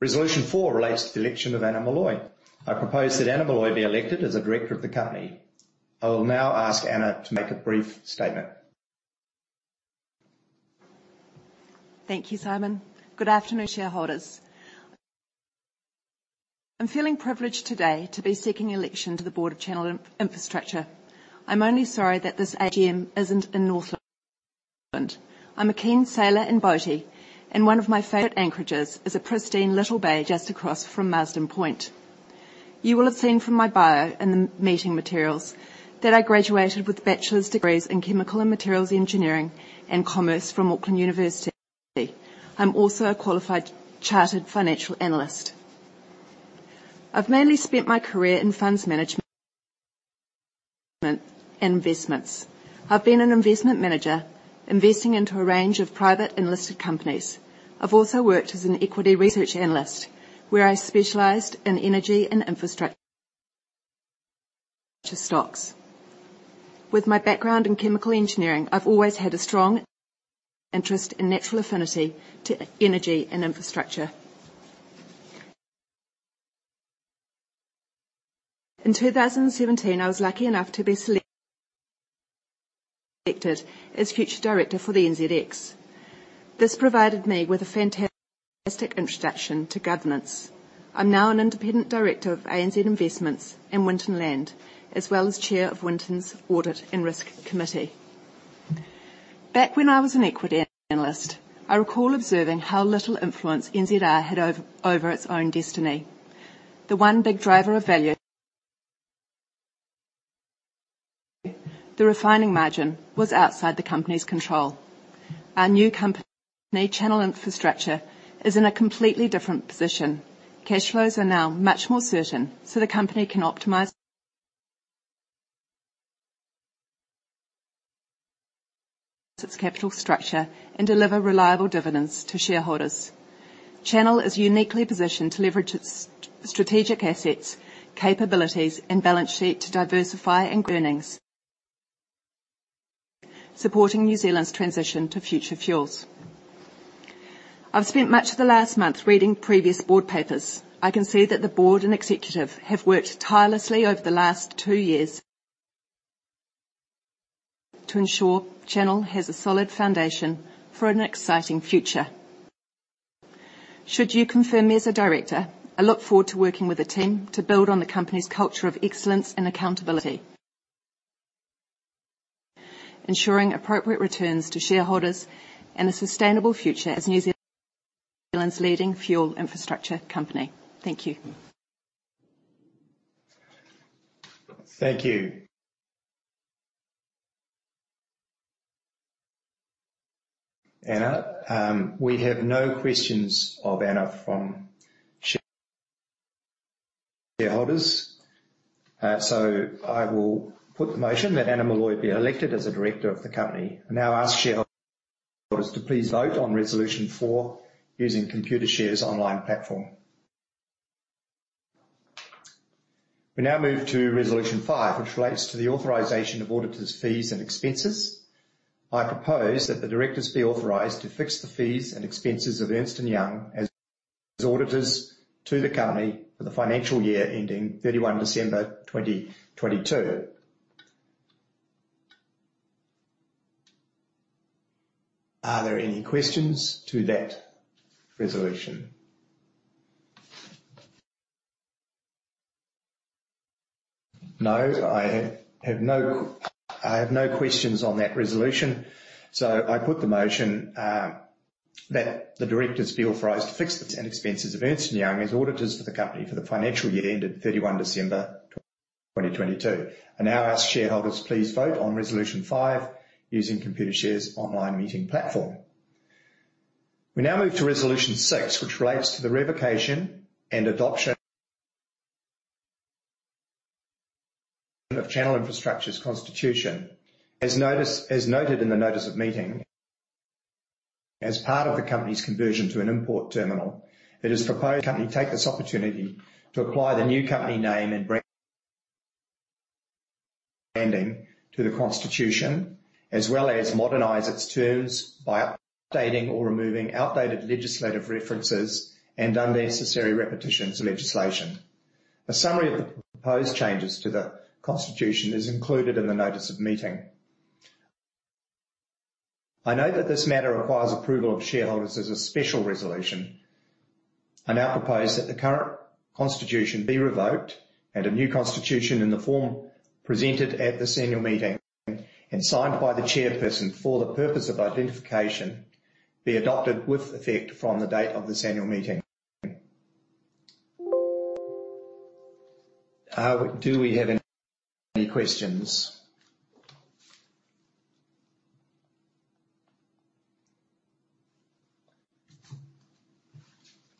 Resolution 4 relates to the election of Anna Molloy. I propose that Anna Molloy be elected as a director of the company. I will now ask Anna to make a brief statement. Thank you, Simon. Good afternoon, shareholders. I'm feeling privileged today to be seeking election to the board of Channel Infrastructure. I'm only sorry that this AGM isn't in Northland. I'm a keen sailor and boatie, and one of my favorite anchorages is a pristine little bay just across from Marsden Point. You will have seen from my bio in the meeting materials that I graduated with bachelor's degrees in Chemical and Materials Engineering and Commerce from University of Auckland. I'm also a qualified chartered financial analyst. I've mainly spent my career in funds management and investments. I've been an investment manager investing into a range of private and listed companies. I've also worked as an equity research analyst, where I specialized in energy and infrastructure stocks. With my background in chemical engineering, I've always had a strong interest and natural affinity to energy and infrastructure. In 2017, I was lucky enough to be selected as future director for the NZX. This provided me with a fantastic introduction to governance. I'm now an independent director of ANZ Investments and Winton Land, as well as Chair of Winton's Audit and Risk Committee. Back when I was an equity analyst, I recall observing how little influence Refining NZ had over its own destiny. The one big driver of value, the refining margin, was outside the company's control. Our new company, Channel Infrastructure, is in a completely different position. Cash flows are now much more certain, so the company can optimize its capital structure and deliver reliable dividends to shareholders. Channel is uniquely positioned to leverage its strategic assets, capabilities, and balance sheet to diversify and grow earnings, supporting New Zealand's transition to future fuels. I've spent much of the last month reading previous board papers. I can see that the board and executive have worked tirelessly over the last two years to ensure Channel has a solid foundation for an exciting future. Should you confirm me as a director, I look forward to working with the team to build on the company's culture of excellence and accountability, ensuring appropriate returns to shareholders and a sustainable future as New Zealand's leading fuel infrastructure company. Thank you. Thank you, Anna. We have no questions of Anna from shareholders. I will put the motion that Anna Molloy be elected as a director of the company. I now ask shareholders to please vote on resolution 4 using Computershare's online platform. We now move to resolution 5, which relates to the authorization of auditors' fees and expenses. I propose that the directors be authorized to fix the fees and expenses of Ernst & Young as auditors to the company for the financial year ending 31 December 2022. Are there any questions to that resolution? No, I have no questions on that resolution. I put the motion that the directors be authorized to fix the fees and expenses of Ernst & Young as auditors for the company for the financial year ended 31 December 2022. I now ask shareholders to please vote on resolution 5 using Computershare's online meeting platform. We now move to resolution 6, which relates to the revocation and adoption of Channel Infrastructure's Constitution. As noted in the notice of meeting, as part of the company's conversion to an import terminal, it is proposed the company take this opportunity to apply the new company name and brand branding to the constitution, as well as modernize its terms by updating or removing outdated legislative references and unnecessary repetitions of legislation. A summary of the proposed changes to the constitution is included in the notice of meeting. I note that this matter requires approval of shareholders as a special resolution. I now propose that the current constitution be revoked and a new constitution in the form presented at this annual meeting and signed by the chairperson for the purpose of identification, be adopted with effect from the date of this annual meeting. Do we have any questions?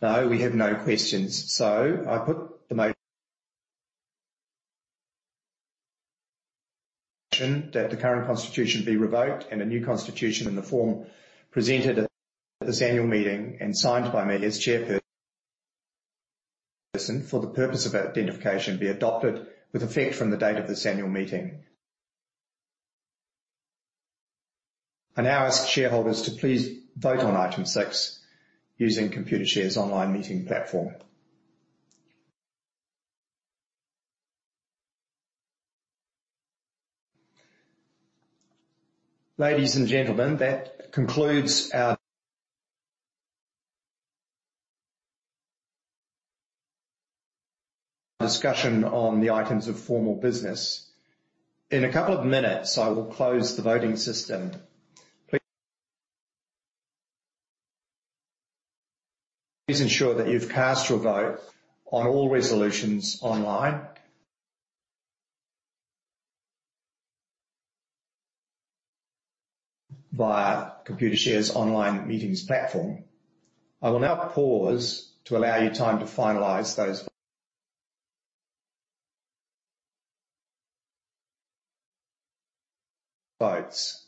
No, we have no questions. I put the motion, that the current constitution be revoked and a new constitution in the form presented at this annual meeting and signed by me as chairperson, for the purpose of identification, be adopted with effect from the date of this annual meeting. I now ask shareholders to please vote on Item six using Computershare's online meeting platform. Ladies and gentlemen, that concludes our discussion on the items of formal business. In a couple of minutes, I will close the voting system. Please ensure that you've cast your vote on all resolutions online via Computershare's online meetings platform. I will now pause to allow you time to finalize those votes.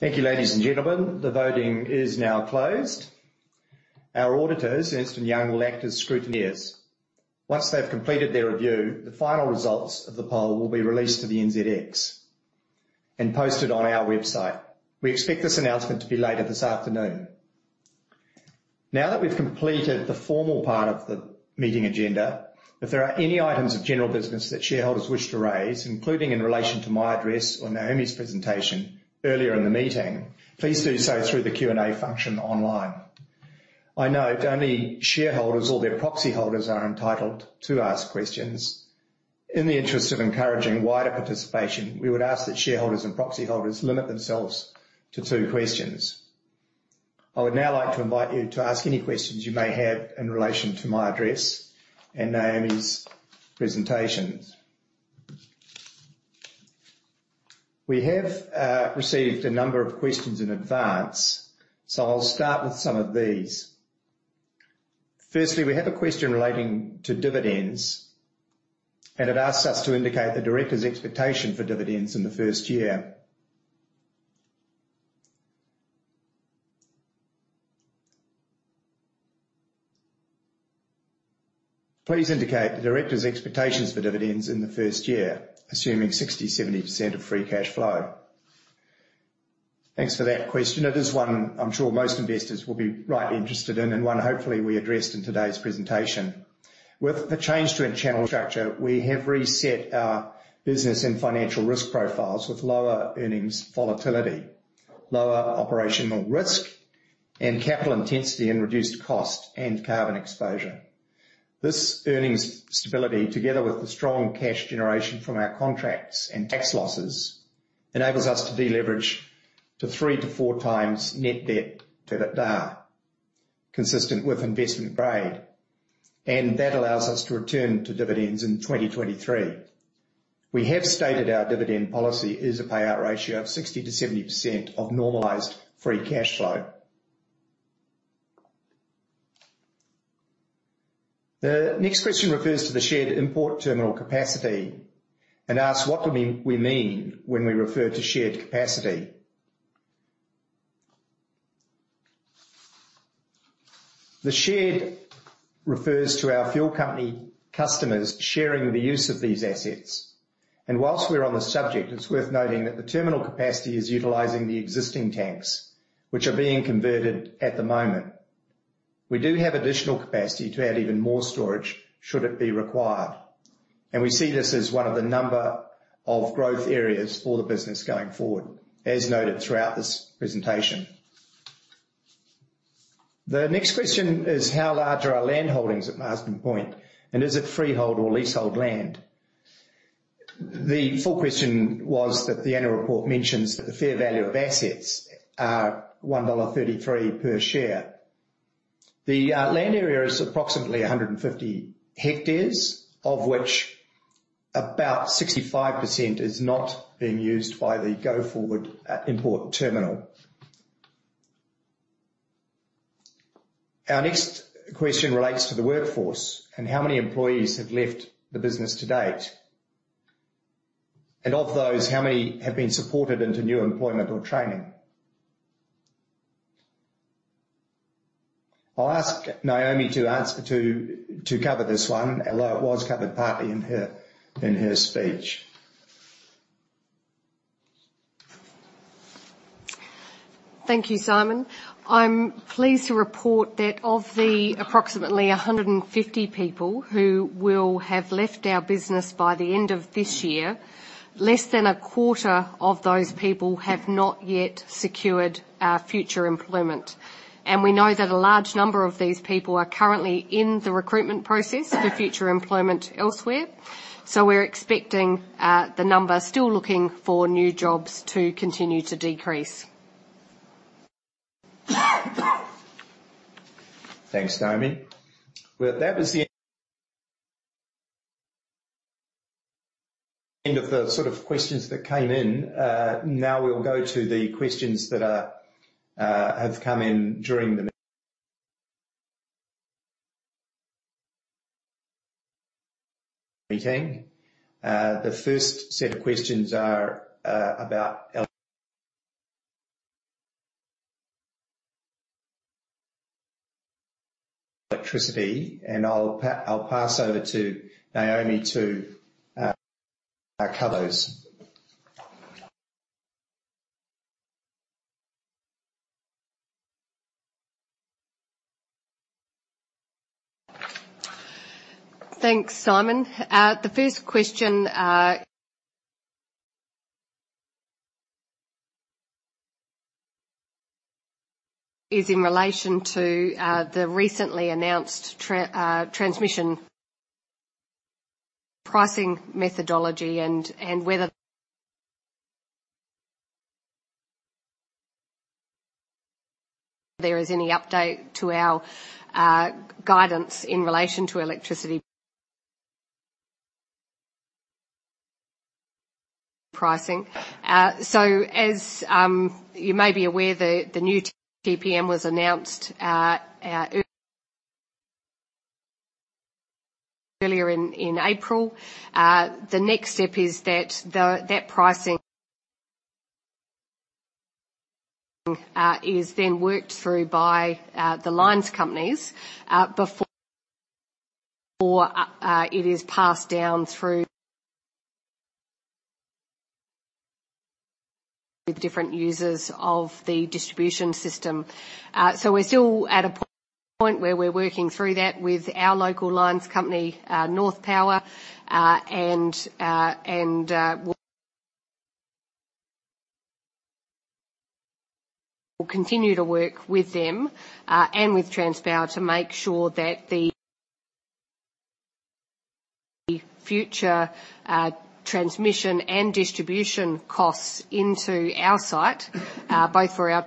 Thank you, ladies and gentlemen. The voting is now closed. Our auditors, Ernst & Young, will act as scrutineers. Once they've completed their review, the final results of the poll will be released to the NZX and posted on our website. We expect this announcement to be later this afternoon. Now that we've completed the formal part of the meeting agenda, if there are any items of general business that shareholders wish to raise, including in relation to my address or Naomi's presentation earlier in the meeting, please do so through the Q&A function online. I note only shareholders or their proxy holders are entitled to ask questions. In the interest of encouraging wider participation, we would ask that shareholders and proxy holders limit themselves to two questions. I would now like to invite you to ask any questions you may have in relation to my address and Naomi's presentations. We have received a number of questions in advance, so I'll start with some of these. Firstly, we have a question relating to dividends, and it asks us to indicate the director's expectation for dividends in the first year. Please indicate the director's expectations for dividends in the first year, assuming 60%-70% of free cash flow. Thanks for that question. It is one I'm sure most investors will be rightly interested in and one hopefully we addressed in today's presentation. With the change to our Channel Infrastructure, we have reset our business and financial risk profiles with lower earnings volatility, lower operational risk and capital intensity, and reduced cost and carbon exposure. This earnings stability, together with the strong cash generation from our contracts and tax losses, enables us to deleverage to 3x-4x net debt to EBITDA, consistent with investment grade, and that allows us to return to dividends in 2023. We have stated our dividend policy is a payout ratio of 60%-70% of normalized free cash flow. The next question refers to the shared import terminal capacity and asks what we mean when we refer to shared capacity. The shared refers to our fuel company customers sharing the use of these assets. Whilst we're on the subject, it's worth noting that the terminal capacity is utilizing the existing tanks which are being converted at the moment. We do have additional capacity to add even more storage should it be required. We see this as one of the number of growth areas for the business going forward, as noted throughout this presentation. The next question is, how large are our land holdings at Marsden Point, and is it freehold or leasehold land? The full question was that the annual report mentions that the fair value of assets are 1.33 dollar per share. The land area is approximately 150 hectares, of which about 65% is not being used by the go-forward import terminal. Our next question relates to the workforce and how many employees have left the business to date. Of those, how many have been supported into new employment or training? I'll ask Naomi to answer to cover this one, although it was covered partly in her speech. Thank you, Simon. I'm pleased to report that of the approximately 150 people who will have left our business by the end of this year, less than a quarter of those people have not yet secured future employment. We know that a large number of these people are currently in the recruitment process for future employment elsewhere. We're expecting the number still looking for new jobs to continue to decrease. Thanks, Naomi. Well, that was the end of the sort of questions that came in. Now we'll go to the questions that are have come in during the meeting. The first set of questions are about electricity, and I'll pass over to Naomi to cover those. Thanks, Simon. The first question is in relation to the recently announced transmission pricing methodology and whether there is any update to our guidance in relation to electricity pricing. As you may be aware, the new TPM was announced earlier in April. The next step is that the pricing is then worked through by the lines companies before it is passed down through the different users of the distribution system. We're still at a point where we're working through that with our local lines company, Northpower, and we'll continue to work with them, and with Transpower to make sure that the future transmission and distribution costs into our site, both for our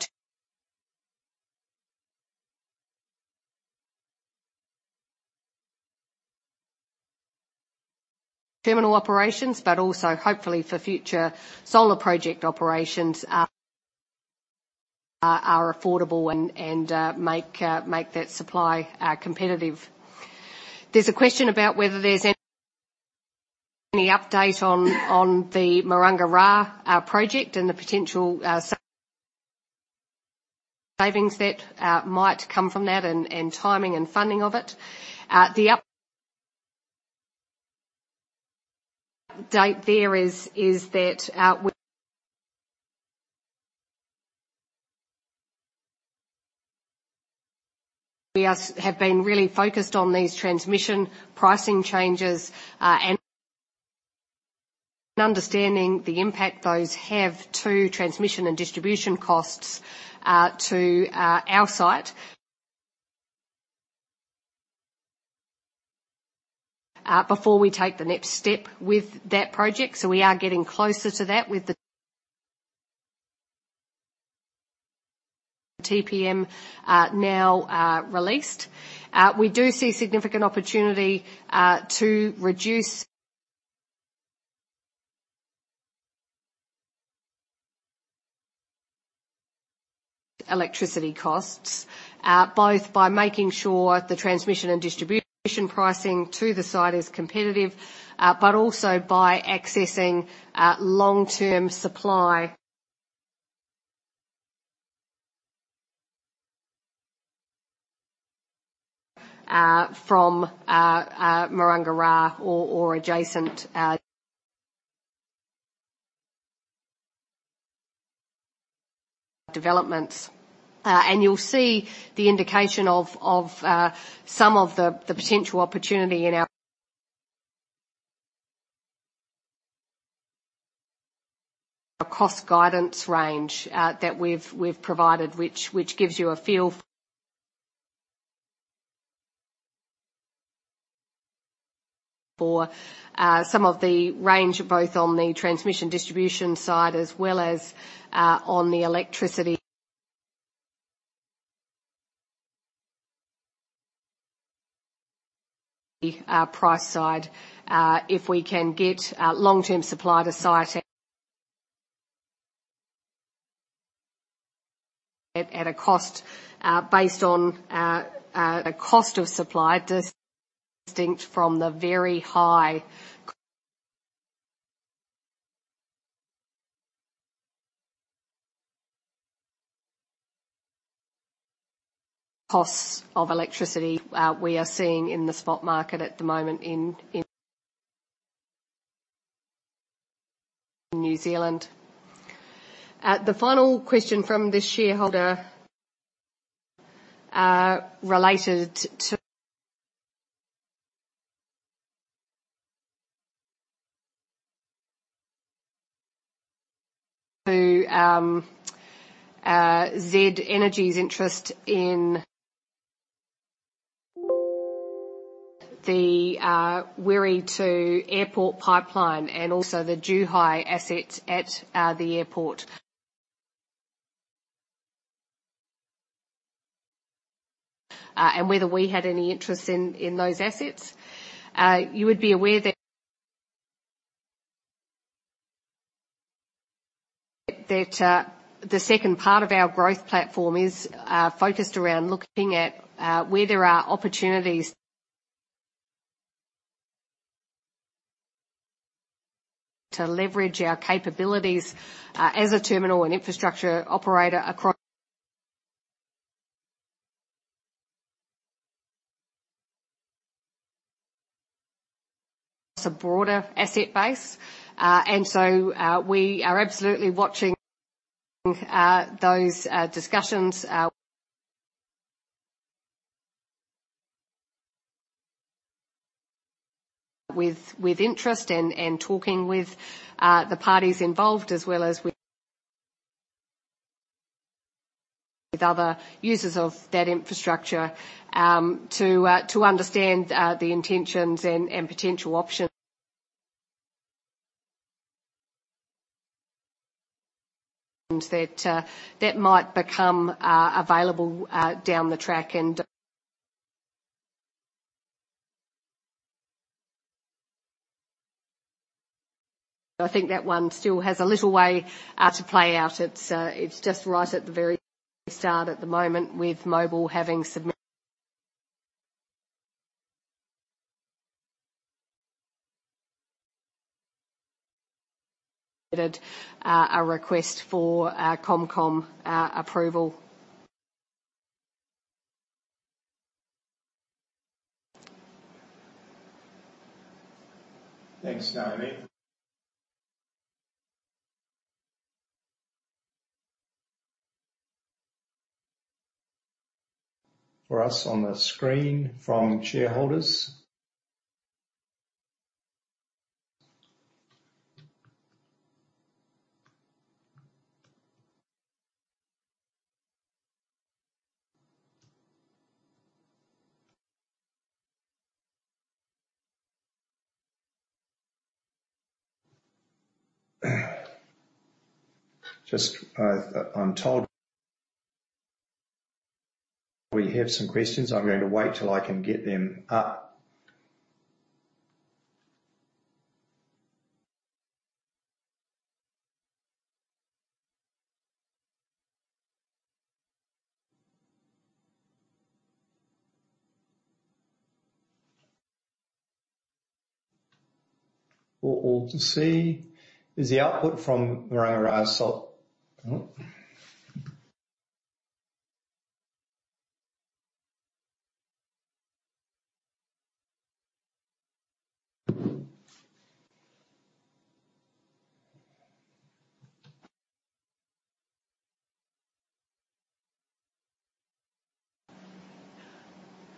terminal operations, but also hopefully for future solar project operations are affordable and make that supply competitive. There's a question about whether there's any update on the Maranga Ra project and the potential savings that might come from that and timing and funding of it. The update there is that we have been really focused on these transmission pricing changes and understanding the impact those have to transmission and distribution costs to our site before we take the next step with that project. We are getting closer to that with the TPM now released. We do see significant opportunity to reduce electricity costs both by making sure the transmission and distribution pricing to the site is competitive but also by accessing long-term supply from Maranga Ra or adjacent developments. You'll see the indication of some of the potential opportunity in our cost guidance range that we've provided, which gives you a feel for some of the range, both on the transmission distribution side as well as on the electricity price side. If we can get long-term supply to site at a cost based on the cost of supply distinct from the very high costs of electricity we are seeing in the spot market at the moment in New Zealand. The final question from the shareholder related to Z Energy's interest in the Wiri to airport pipeline and also the JUHI asset at the airport. Whether we had any interest in those assets. You would be aware that the second part of our growth platform is focused around looking at where there are opportunities to leverage our capabilities as a terminal and infrastructure operator across a broader asset base. We are absolutely watching those discussions with interest and talking with the parties involved as well as with other users of that infrastructure to understand the intentions and potential options that might become available down the track. I think that one still has a little way to play out. It's just right at the very start at the moment with Mobil having submitted a request for ComCom approval. Thanks, Naomi. For us on the screen from shareholders. Just, I'm told we have some questions. I'm going to wait 'til I can get them up. For all to see is the output from Maranga Ra.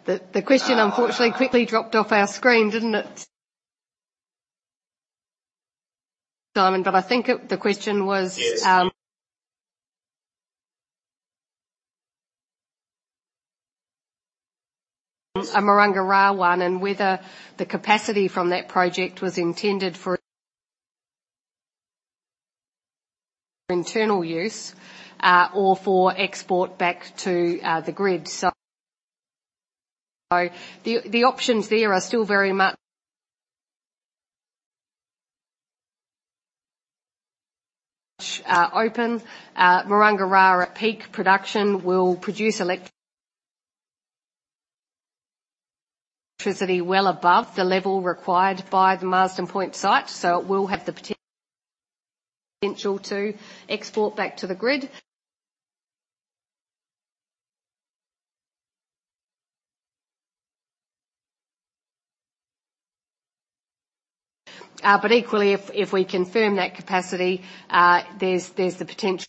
The question unfortunately quickly dropped off our screen, didn't it, Simon? I think the question was- Yes. A Maranga Ra one and whether the capacity from that project was intended for internal use, or for export back to the grid. The options there are still very much open. Maranga Ra at peak production will produce electricity well above the level required by the Marsden Point site. It will have the potential to export back to the grid. But equally, if we confirm that capacity, there's the potential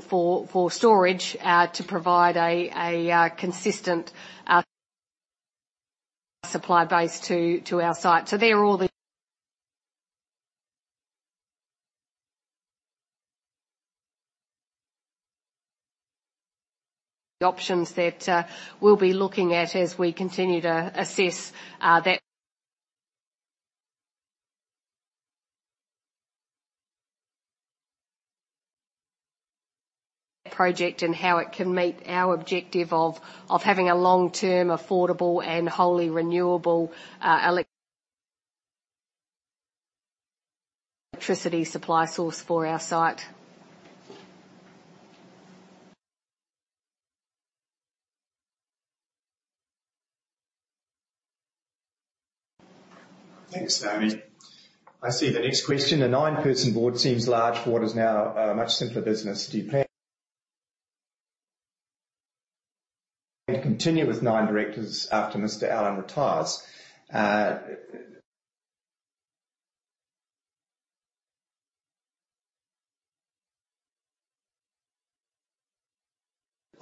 for storage to provide a consistent supply base to our site. They're all the options that we'll be looking at as we continue to assess that project and how it can meet our objective of having a long-term, affordable and wholly renewable electricity supply source for our site. Thanks, Naomi. I see the next question. A 9-person board seems large for what is now a much simpler business. Do you plan to continue with nine directors after Mr. Allen retires?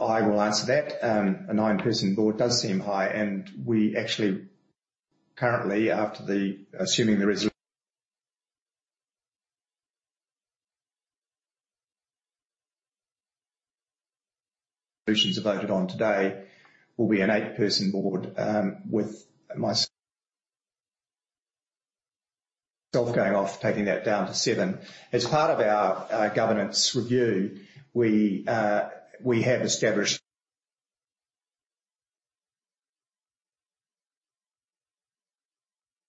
I will answer that. A nine-person board does seem high, and we actually currently, after the resolutions are voted on today, will be an 8-person board, with myself going off, taking that down to seven. As part of our governance review, we have established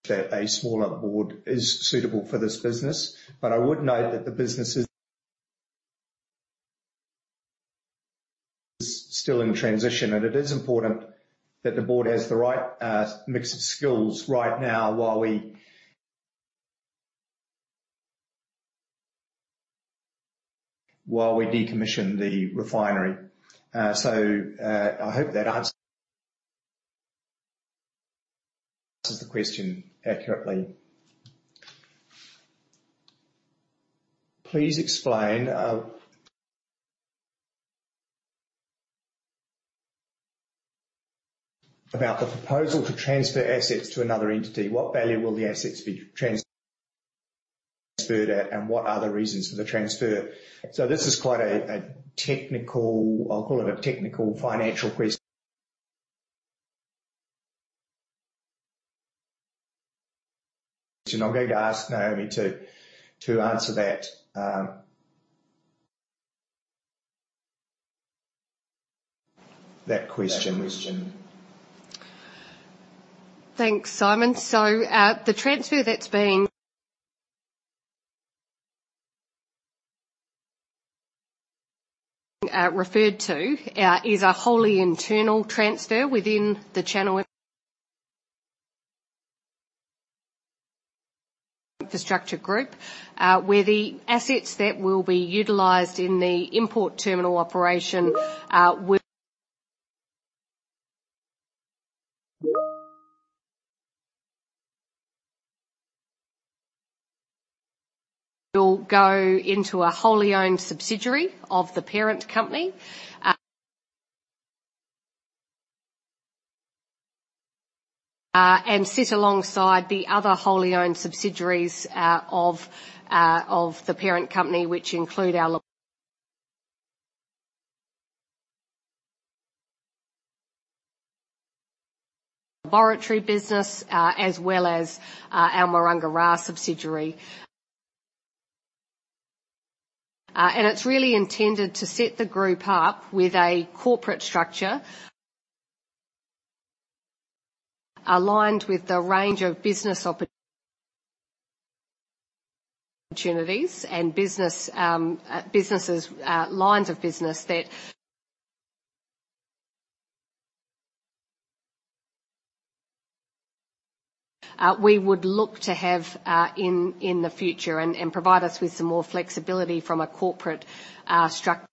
that a smaller board is suitable for this business. I would note that the business is still in transition, and it is important that the board has the right mix of skills right now while we decommission the refinery. I hope that answers the question accurately. Please explain about the proposal to transfer assets to another entity. What value will the assets be transferred at, and what are the reasons for the transfer? This is quite a technical. I'll call it a technical financial question. I'm going to ask Naomi to answer that question. Thanks, Simon. The transfer that's been referred to is a wholly internal transfer within the Channel Infrastructure group, where the assets that will be utilized in the import terminal operation will go into a wholly owned subsidiary of the parent company and sit alongside the other wholly owned subsidiaries of the parent company, which include our laboratory business, as well as our Maranga Ra subsidiary. It's really intended to set the group up with a corporate structure aligned with the range of business opportunities and business lines of business that we would look to have in the future and provide us with some more flexibility from a corporate structure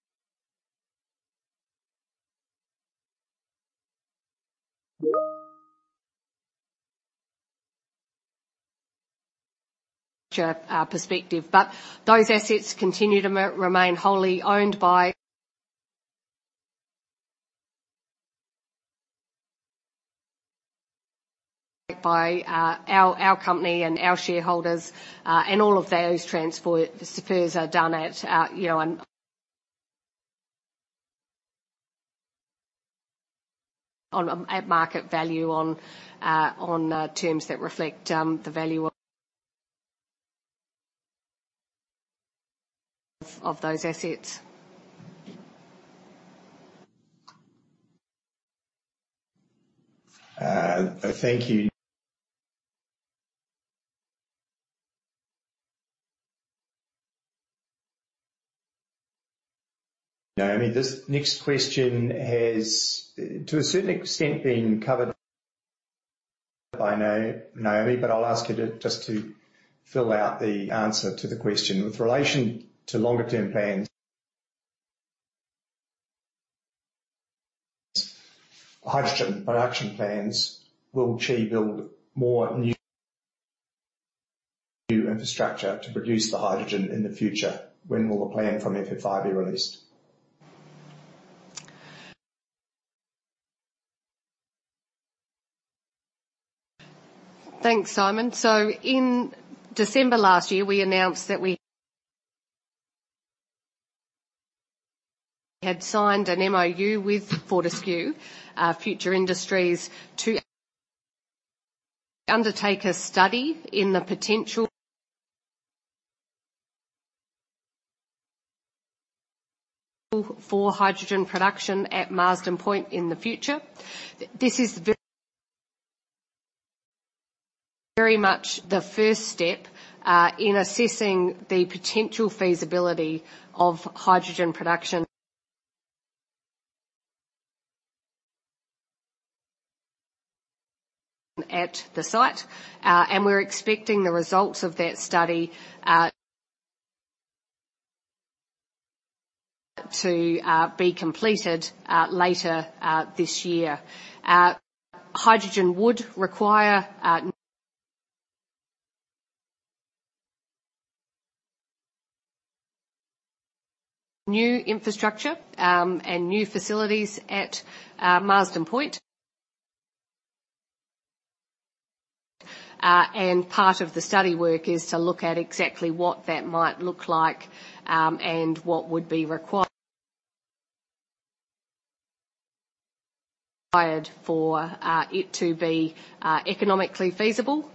perspective. Those assets continue to remain wholly owned by our company and our shareholders. All of those transfers are done at market value on terms that reflect the value of those assets. Thank you, Naomi. This next question has, to a certain extent, been covered by Naomi, but I'll ask you to just to fill out the answer to the question. With relation to longer term plans, hydrogen production plans, will CHI build more new infrastructure to produce the hydrogen in the future? When will the plan from FFI be released? Thanks, Simon. In December last year, we announced that we had signed an MoU with Fortescue Future Industries to undertake a study in the potential for hydrogen production at Marsden Point in the future. This is very much the first step in assessing the potential feasibility of hydrogen production at the site. We're expecting the results of that study to be completed later this year. Hydrogen would require new infrastructure and new facilities at Marsden Point. Part of the study work is to look at exactly what that might look like and what would be required for it to be economically feasible.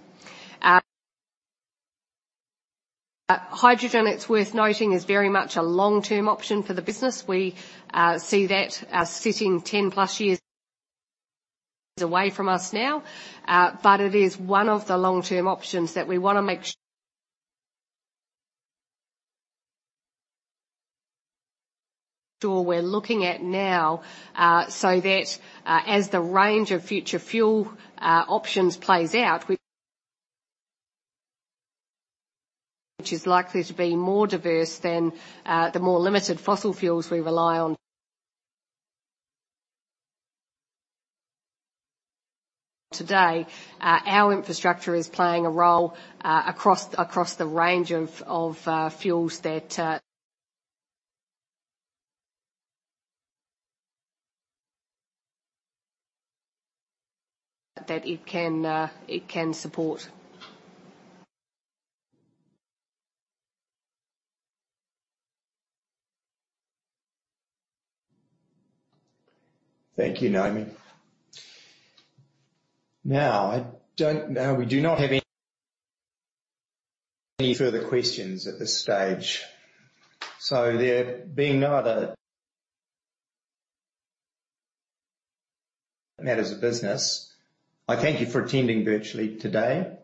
Hydrogen, it's worth noting, is very much a long-term option for the business. We see that sitting 10+ years away from us now, but it is one of the long-term options that we wanna make sure we're looking at now, so that as the range of future fuel options plays out, which is likely to be more diverse than the more limited fossil fuels we rely on today. Our infrastructure is playing a role across the range of fuels that it can support. Thank you, Naomi. Now, we do not have any further questions at this stage. There being no other matters of business, I thank you for attending virtually today.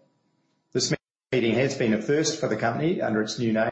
This meeting has been a first for the company under its new name.